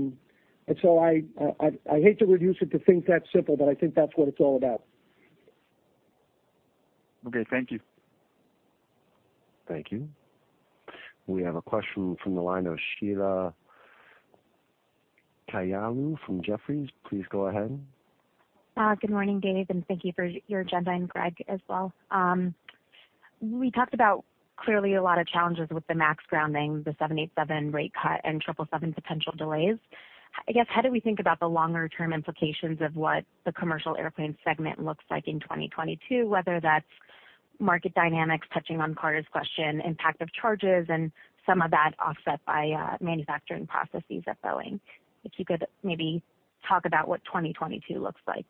hate to reduce it to things that simple, but I think that's what it's all about. Okay. Thank you. Thank you. We have a question from the line of Sheila Kahyaoglu from Jefferies. Please go ahead. Good morning, Dave, and thank you for your agenda, and Greg as well. We talked about clearly a lot of challenges with the MAX grounding, the 787 rate cut, and 777 potential delays. I guess, how do we think about the longer-term implications of what the commercial airplane segment looks like in 2022, whether that's market dynamics, touching on Carter's question, impact of charges, and some of that offset by manufacturing processes at Boeing? If you could maybe talk about what 2022 looks like.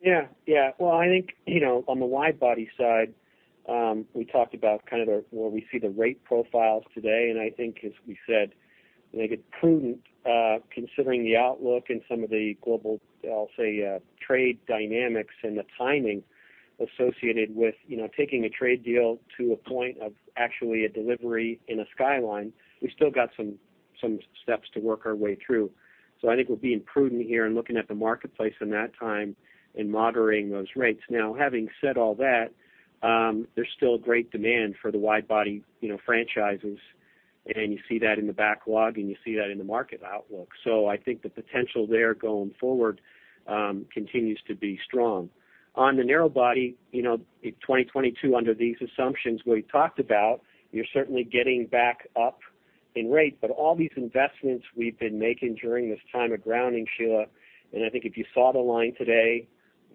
Yeah. Well, I think, on the wide-body side, we talked about kind of where we see the rate profiles today, and I think as we said, I think it's prudent, considering the outlook and some of the global, I'll say, trade dynamics and the timing associated with taking a trade deal to a point of actually a delivery in a timeline. We still got some steps to work our way through. I think we're being prudent here and looking at the marketplace in that time and moderating those rates. Now, having said all that, there's still a great demand for the wide-body franchises, and you see that in the backlog, and you see that in the market outlook. I think the potential there going forward continues to be strong. On the narrow body, 2022, under these assumptions we talked about, you're certainly getting back up in rate. All these investments we've been making during this time of grounding, Sheila, I think if you saw the line today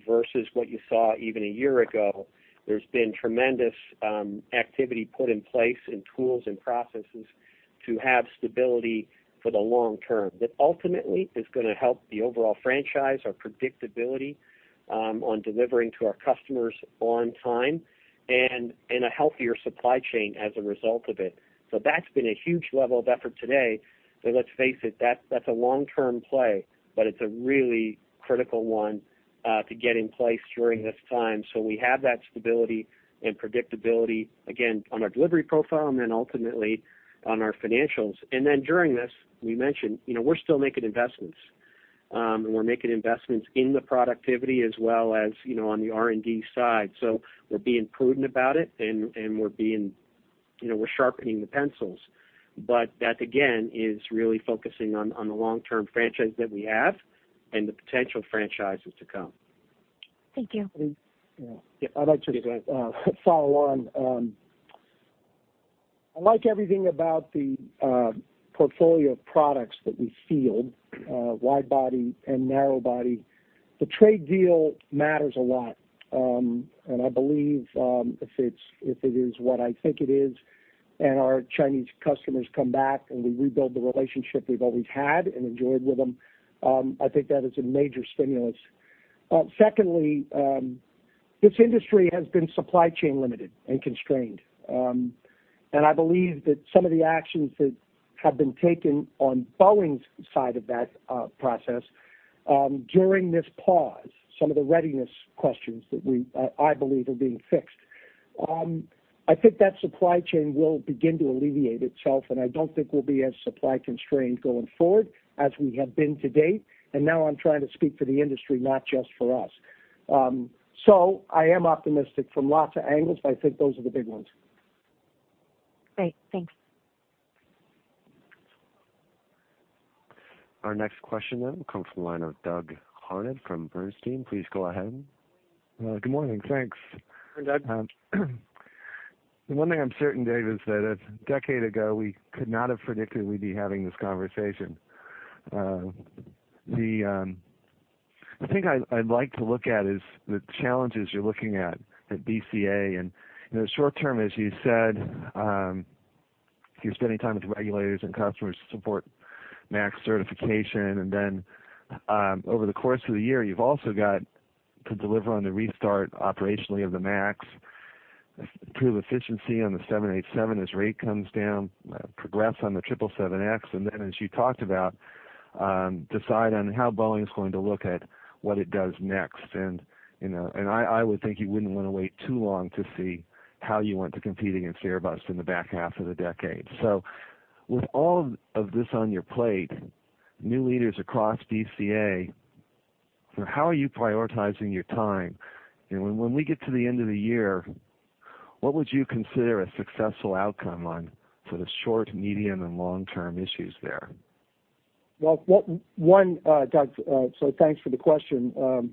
versus what you saw even a year ago, there's been tremendous activity put in place and tools and processes to have stability for the long term. That ultimately is going to help the overall franchise, our predictability on delivering to our customers on time, and a healthier supply chain as a result of it. That's been a huge level of effort to date, but let's face it, that's a long-term play, but it's a really critical one to get in place during this time. We have that stability and predictability, again, on our delivery profile and then ultimately on our financials. During this, we mentioned we're still making investments. We're making investments in the productivity as well as on the R&D side. We're being prudent about it, and we're sharpening the pencils. That, again, is really focusing on the long-term franchise that we have and the potential franchises to come. Thank you. Yeah. I'd like to follow on. I like everything about the portfolio of products that we field, wide body and narrow body. The trade deal matters a lot, and I believe, if it is what I think it is, and our Chinese customers come back and we rebuild the relationship we've always had and enjoyed with them, I think that is a major stimulus. Secondly, this industry has been supply chain limited and constrained. I believe that some of the actions that have been taken on Boeing's side of that process during this pause, some of the readiness questions that I believe are being fixed. I think that supply chain will begin to alleviate itself, and I don't think we'll be as supply constrained going forward as we have been to date, and now I'm trying to speak for the industry, not just for us. I am optimistic from lots of angles. I think those are the big ones. Great. Thanks. Our next question then comes from the line of Doug Harned from Bernstein. Please go ahead. Good morning. Thanks. Good morning, Doug. The one thing I'm certain, Dave, is that a decade ago, we could not have predicted we'd be having this conversation. The thing I'd like to look at is the challenges you're looking at BCA. In the short term, as you said, you're spending time with regulators and customers to support MAX certification. Over the course of the year, you've also got to deliver on the restart operationally of the MAX, improve efficiency on the 787 as rate comes down, progress on the 777X, then as you talked about, decide on how Boeing's going to look at what it does next. I would think you wouldn't want to wait too long to see how you went to competing against Airbus in the back half of the decade. With all of this on your plate, new leaders across BCA, how are you prioritizing your time? When we get to the end of the year, what would you consider a successful outcome on sort of short, medium, and long-term issues there? Well, one, Doug, thanks for the question.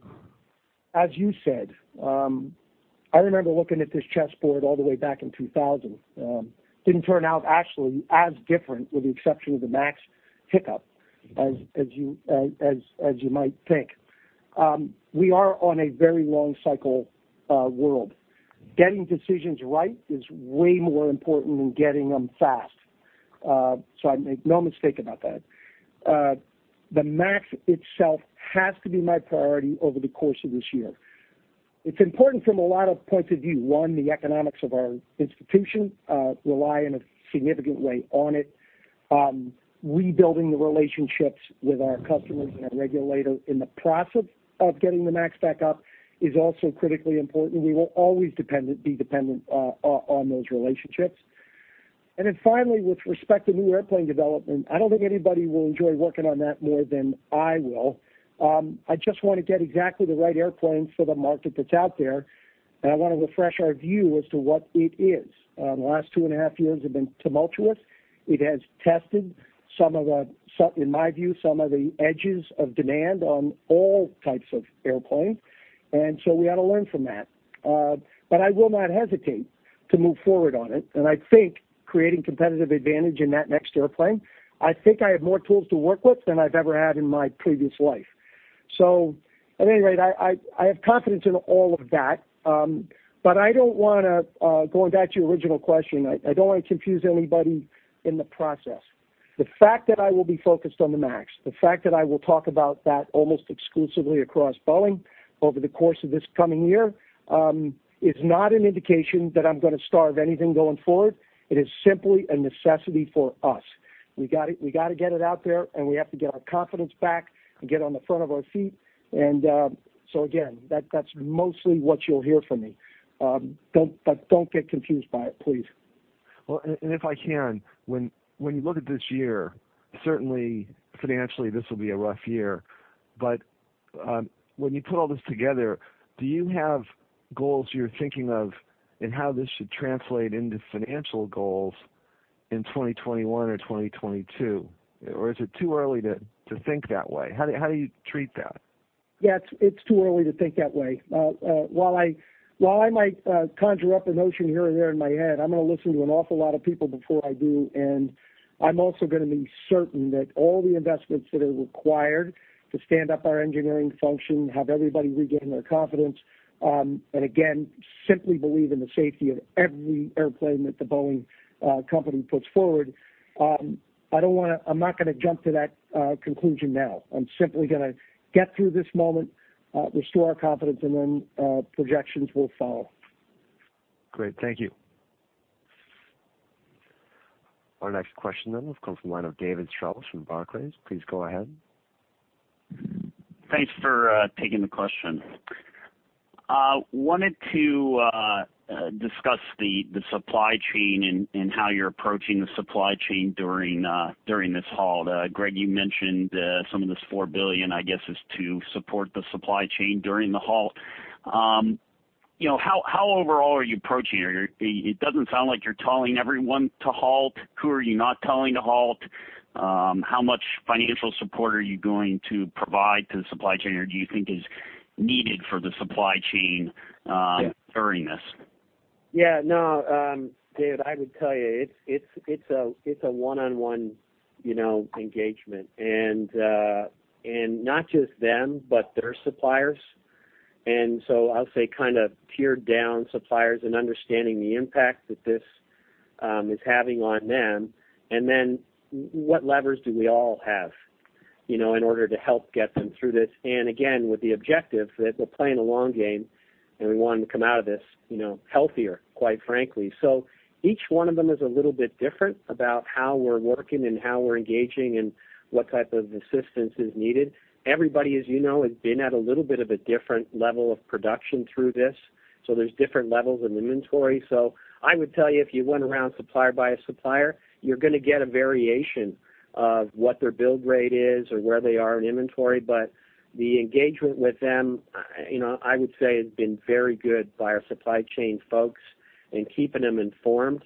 As you said, I remember looking at this chessboard all the way back in 2000. Didn't turn out actually as different, with the exception of the MAX hiccup, as you might think. We are on a very long cycle world. Getting decisions right is way more important than getting them fast. I make no mistake about that. The MAX itself has to be my priority over the course of this year. It's important from a lot of points of view. One, the economics of our institution rely in a significant way on it. Rebuilding the relationships with our customers and our regulator in the process of getting the MAX back up is also critically important. We will always be dependent on those relationships. Finally, with respect to new airplane development, I don't think anybody will enjoy working on that more than I will. I just want to get exactly the right airplane for the market that's out there, and I want to refresh our view as to what it is. The last two and a half years have been tumultuous. It has tested, in my view, some of the edges of demand on all types of airplanes. We ought to learn from that. I will not hesitate to move forward on it, and I think creating competitive advantage in that next airplane, I think I have more tools to work with than I've ever had in my previous life. At any rate, I have confidence in all of that. I don't want to, going back to your original question, I don't want to confuse anybody in the process. The fact that I will be focused on the MAX, the fact that I will talk about that almost exclusively across Boeing over the course of this coming year, is not an indication that I'm going to starve anything going forward. It is simply a necessity for us. We got to get it out there, and we have to get our confidence back and get on the front of our feet. Again, that's mostly what you'll hear from me. Don't get confused by it, please. Well, if I can, when you look at this year, certainly financially, this will be a rough year. When you put all this together, do you have goals you're thinking of in how this should translate into financial goals in 2021 or 2022? Is it too early to think that way? How do you treat that? Yeah, it's too early to think that way. While I might conjure up a notion here or there in my head, I'm going to listen to an awful lot of people before I do. I'm also going to be certain that all the investments that are required to stand up our engineering function, have everybody regaining their confidence, and again, simply believe in the safety of every airplane that The Boeing Company puts forward. I'm not going to jump to that conclusion now. I'm simply going to get through this moment, restore our confidence, and then projections will follow. Great. Thank you. Our next question then will come from the line of David Strauss from Barclays. Please go ahead. Thanks for taking the question. Wanted to discuss the supply chain and how you're approaching the supply chain during this halt. Greg, you mentioned some of this $4 billion, I guess, is to support the supply chain during the halt. How overall are you approaching it? It doesn't sound like you're telling everyone to halt. Who are you not telling to halt? How much financial support are you going to provide to the supply chain, or do you think is needed for the supply chain during this? David, I would tell you, it's a one-on-one engagement. Not just them, but their suppliers. I'll say kind of tiered down suppliers and understanding the impact that this is having on them, and then what levers do we all have in order to help get them through this. Again, with the objective that we're playing the long game and we want to come out of this healthier, quite frankly. Each one of them is a little bit different about how we're working and how we're engaging and what type of assistance is needed. Everybody, as you know, has been at a little bit of a different level of production through this. There's different levels of inventory. I would tell you, if you went around supplier by supplier, you're going to get a variation of what their build rate is or where they are in inventory. The engagement with them, I would say, has been very good by our supply chain folks in keeping them informed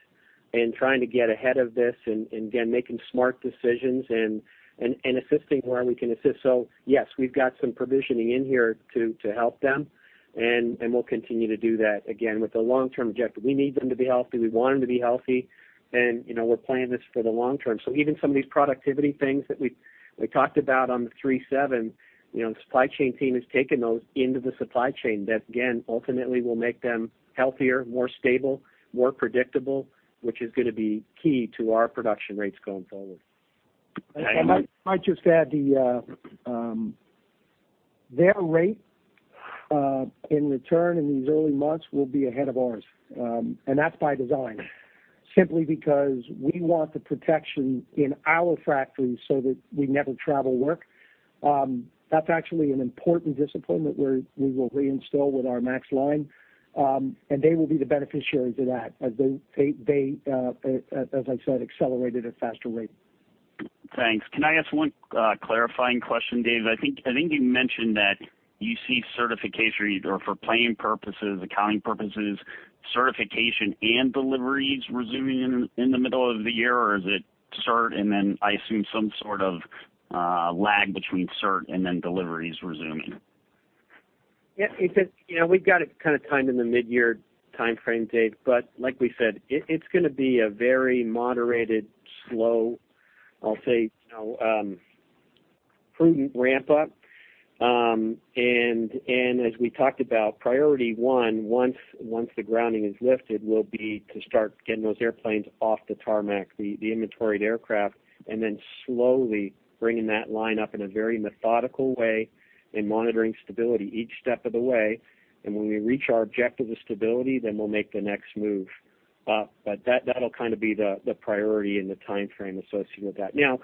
and trying to get ahead of this and, again, making smart decisions and assisting where we can assist. Yes, we've got some provisioning in here to help them, and we'll continue to do that, again, with the long-term objective. We need them to be healthy. We want them to be healthy. We're playing this for the long term. Even some of these productivity things that we talked about on the 737, the supply chain team has taken those into the supply chain that, again, ultimately will make them healthier, more stable, more predictable, which is going to be key to our production rates going forward. I might just add, their rate in return in these early months will be ahead of ours. That's by design, simply because we want the protection in our factories so that we never travel work. That's actually an important discipline that we will reinstall with our MAX line. They will be the beneficiary to that as they, as I said, accelerated at a faster rate. Thanks. Can I ask one clarifying question, Dave? I think you mentioned that you see certification or for planning purposes, accounting purposes, certification and deliveries resuming in the middle of the year, or is it cert and then I assume some sort of lag between cert and then deliveries resuming? Yeah. We've got it kind of timed in the mid-year timeframe, Dave, but like we said, it's going to be a very moderated, slow, I'll say, prudent ramp-up. As we talked about, priority one, once the grounding is lifted, will be to start getting those airplanes off the tarmac, the inventoried aircraft, and then slowly bringing that line up in a very methodical way and monitoring stability each step of the way. When we reach our objective of stability, then we'll make the next move up. That'll kind of be the priority and the timeframe associated with that. Now,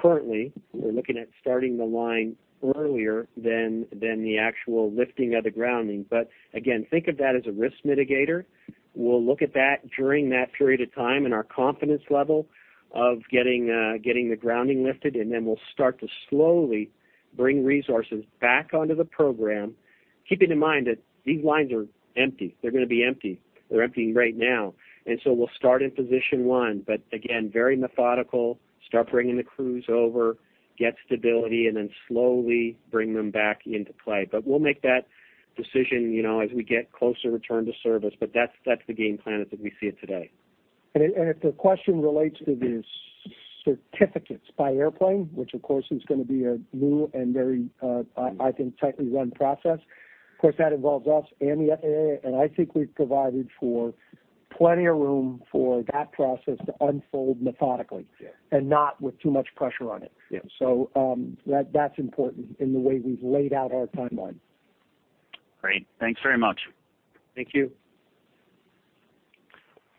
currently we're looking at starting the line earlier than the actual lifting of the grounding. Again, think of that as a risk mitigator. We'll look at that during that period of time and our confidence level of getting the grounding lifted, and then we'll start to slowly bring resources back onto the program, keeping in mind that these lines are empty. They're going to be empty. They're empty right now. We'll start in position one, but again, very methodical, start bringing the crews over, get stability, and then slowly bring them back into play. We'll make that decision as we get closer to return to service. That's the game plan as we see it today. If the question relates to the certificates by airplane, which of course is going to be a new and very, I think, tightly run process. Of course, that involves us and the FAA, and I think we've provided for plenty of room for that process to unfold methodically. Not with too much pressure on it. That's important in the way we've laid out our timeline. Great. Thanks very much. Thank you.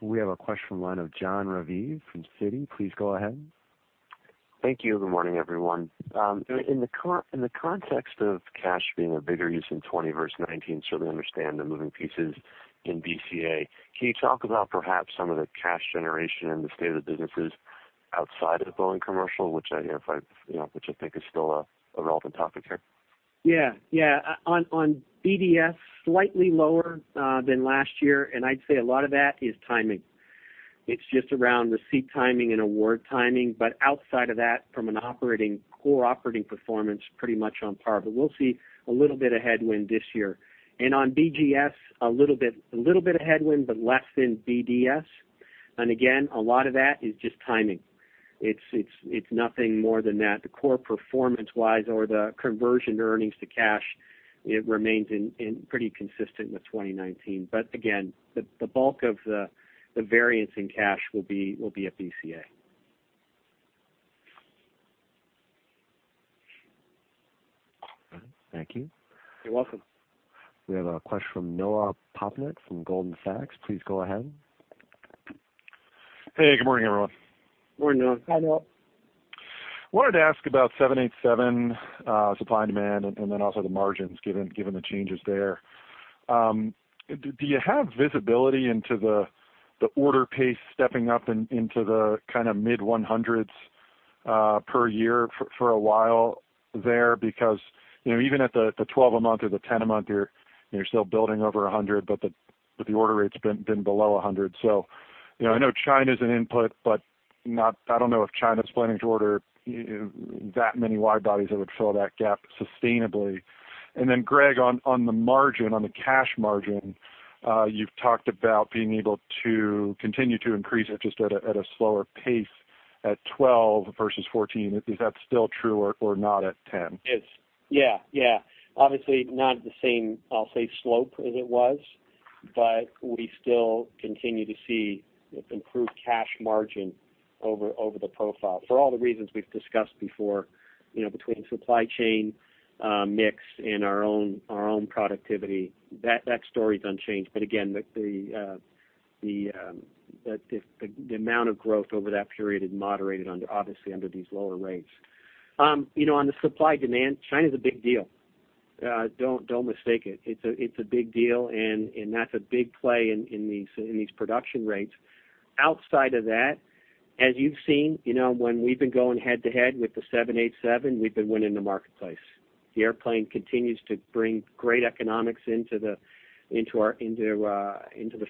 We have a question on the line of Jon Raviv from Citi. Please go ahead. Thank you. Good morning, everyone. In the context of cash being a bigger use in 2020 versus 2019, certainly understand the moving pieces in BCA. Can you talk about perhaps some of the cash generation and the state of the businesses outside of Boeing commercial, which I think is still a relevant topic here? Yeah. On BDS, slightly lower than last year, I'd say a lot of that is timing. It's just around receipt timing and award timing. Outside of that, from a core operating performance, pretty much on par. We'll see a little bit of headwind this year. On BGS, a little bit of headwind, but less than BDS. Again, a lot of that is just timing. It's nothing more than that. The core performance-wise or the conversion earnings to cash, it remains pretty consistent with 2019. Again, the bulk of the variance in cash will be at BCA. Thank you. You're welcome. We have a question from Noah Poponak from Goldman Sachs. Please go ahead. Hey, good morning, everyone. Morning, Noah. Hi, Noah. Wanted to ask about 787 supply and demand. Also the margins, given the changes there. Do you have visibility into the order pace stepping up into the mid-100s per year for a while there? Even at the 12 a month or the 10 a month, you're still building over 100, but the order rate's been below 100. I know China's an input, but I don't know if China's planning to order that many wide bodies that would fill that gap sustainably. Greg, on the margin, on the cash margin, you've talked about being able to continue to increase it just at a slower pace at 12 versus 14. Is that still true or not at 10? It's, yeah. Obviously not at the same, I'll say, slope as it was, but we still continue to see improved cash margin over the profile for all the reasons we've discussed before, between supply chain mix and our own productivity. That story's unchanged. Again, the amount of growth over that period is moderated, obviously, under these lower rates. On the supply-demand, China's a big deal. Don't mistake it. It's a big deal, and that's a big play in these production rates. Outside of that, as you've seen, when we've been going head to head with the 787, we've been winning the marketplace. The airplane continues to bring great economics into the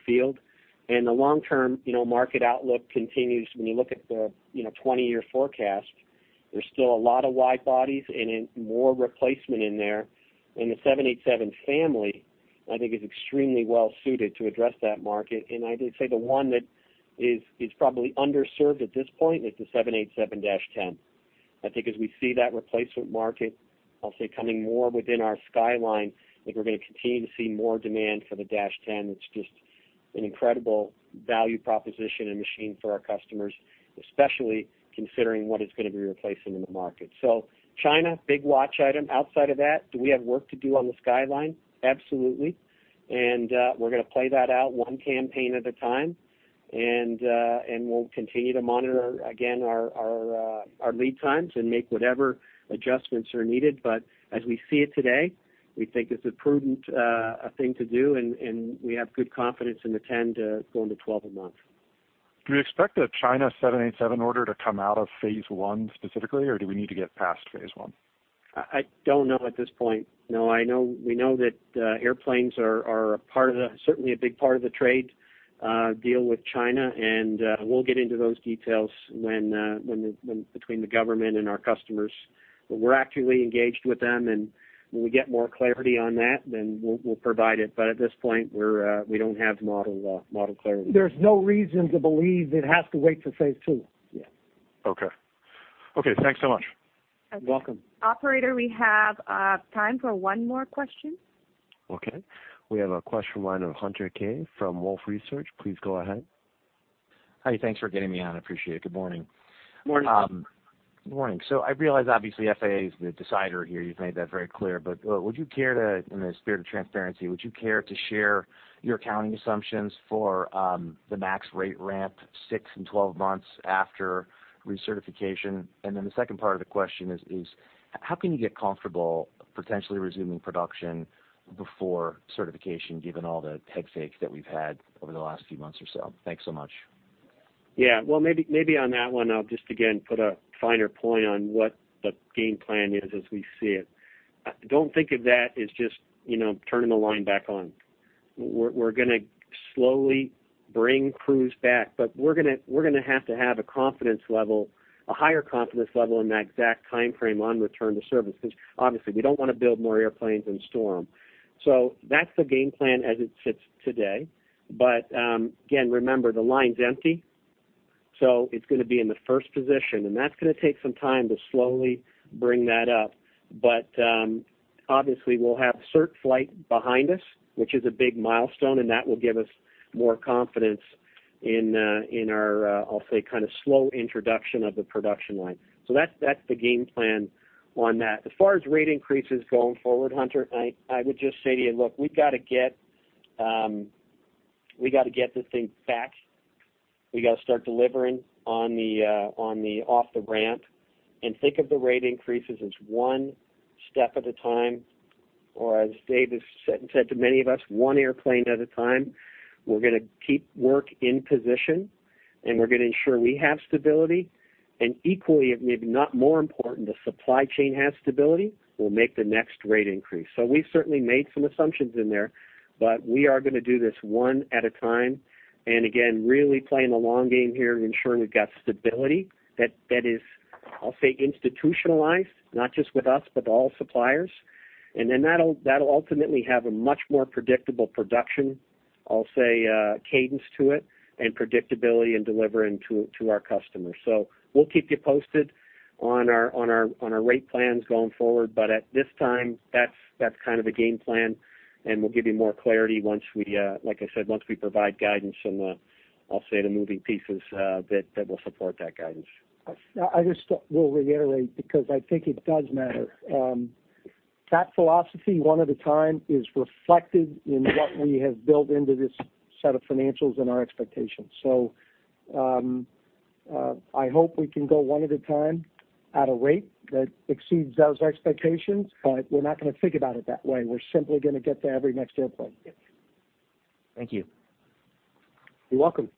field. The long-term market outlook continues. When you look at the 20-year forecast, there's still a lot of wide bodies and more replacement in there. The 787 family, I think, is extremely well-suited to address that market. I'd say the one that is probably underserved at this point is the 787-10. I think as we see that replacement market, I'll say, coming more within our skyline, I think we're going to continue to see more demand for the 787-10. It's just an incredible value proposition and machine for our customers, especially considering what it's going to be replacing in the market. China, big watch item. Outside of that, do we have work to do on the skyline? Absolutely. We're going to play that out one campaign at a time. We'll continue to monitor, again, our lead times and make whatever adjustments are needed. As we see it today, we think it's a prudent thing to do, and we have good confidence in the 10 to going to 12 a month. Do we expect a China 787 order to come out of phase one specifically, or do we need to get past phase one? I don't know at this point. We know that airplanes are certainly a big part of the trade deal with China, and we'll get into those details between the government and our customers. We're actively engaged with them, and when we get more clarity on that, then we'll provide it. At this point, we don't have model clarity. There's no reason to believe it has to wait for phase two. Yeah. Okay. Thanks so much. You're welcome. Operator, we have time for one more question. Okay. We have a question on the line of Hunter Keay from Wolfe Research. Please go ahead. Hi, thanks for getting me on. I appreciate it. Good morning. Morning. Good morning. I realize obviously FAA is the decider here. You've made that very clear. In the spirit of transparency, would you care to share your accounting assumptions for the MAX rate ramp six and 12 months after recertification? The second part of the question is, how can you get comfortable potentially resuming production before certification, given all the head fakes that we've had over the last few months or so? Thanks so much. Well, maybe on that one, I'll just again put a finer point on what the game plan is as we see it. Don't think of that as just turning the line back on. We're going to slowly bring crews back, we're going to have to have a higher confidence level in that exact timeframe on return to service, because obviously we don't want to build more airplanes and store them. That's the game plan as it sits today. Again, remember, the line's empty, it's going to be in the first position, that's going to take some time to slowly bring that up. Obviously, we'll have cert flight behind us. Which is a big milestone, that will give us more confidence in our, I'll say, kind of slow introduction of the production line. That's the game plan on that. As far as rate increases going forward, Hunter, I would just say to you, look, we've got to get this thing back. We got to start delivering on the off the ramp and think of the rate increases as one step at a time or as Dave has said to many of us, one airplane at a time. We're going to keep work in position and we're going to ensure we have stability and equally, if maybe not more important, the supply chain has stability, we'll make the next rate increase. We've certainly made some assumptions in there, but we are going to do this one at a time, and again, really playing the long game here and ensuring we've got stability that is, I'll say, institutionalized, not just with us, but all suppliers. That'll ultimately have a much more predictable production, I'll say, cadence to it and predictability in delivering to our customers. We'll keep you posted on our rate plans going forward. At this time, that's kind of the game plan, and we'll give you more clarity, like I said, once we provide guidance on the, I'll say, the moving pieces that will support that guidance. I just will reiterate because I think it does matter. That philosophy, one at a time, is reflected in what we have built into this set of financials and our expectations. I hope we can go one at a time at a rate that exceeds those expectations, but we're not going to think about it that way. We're simply going to get to every next airplane. Thank you. You're welcome.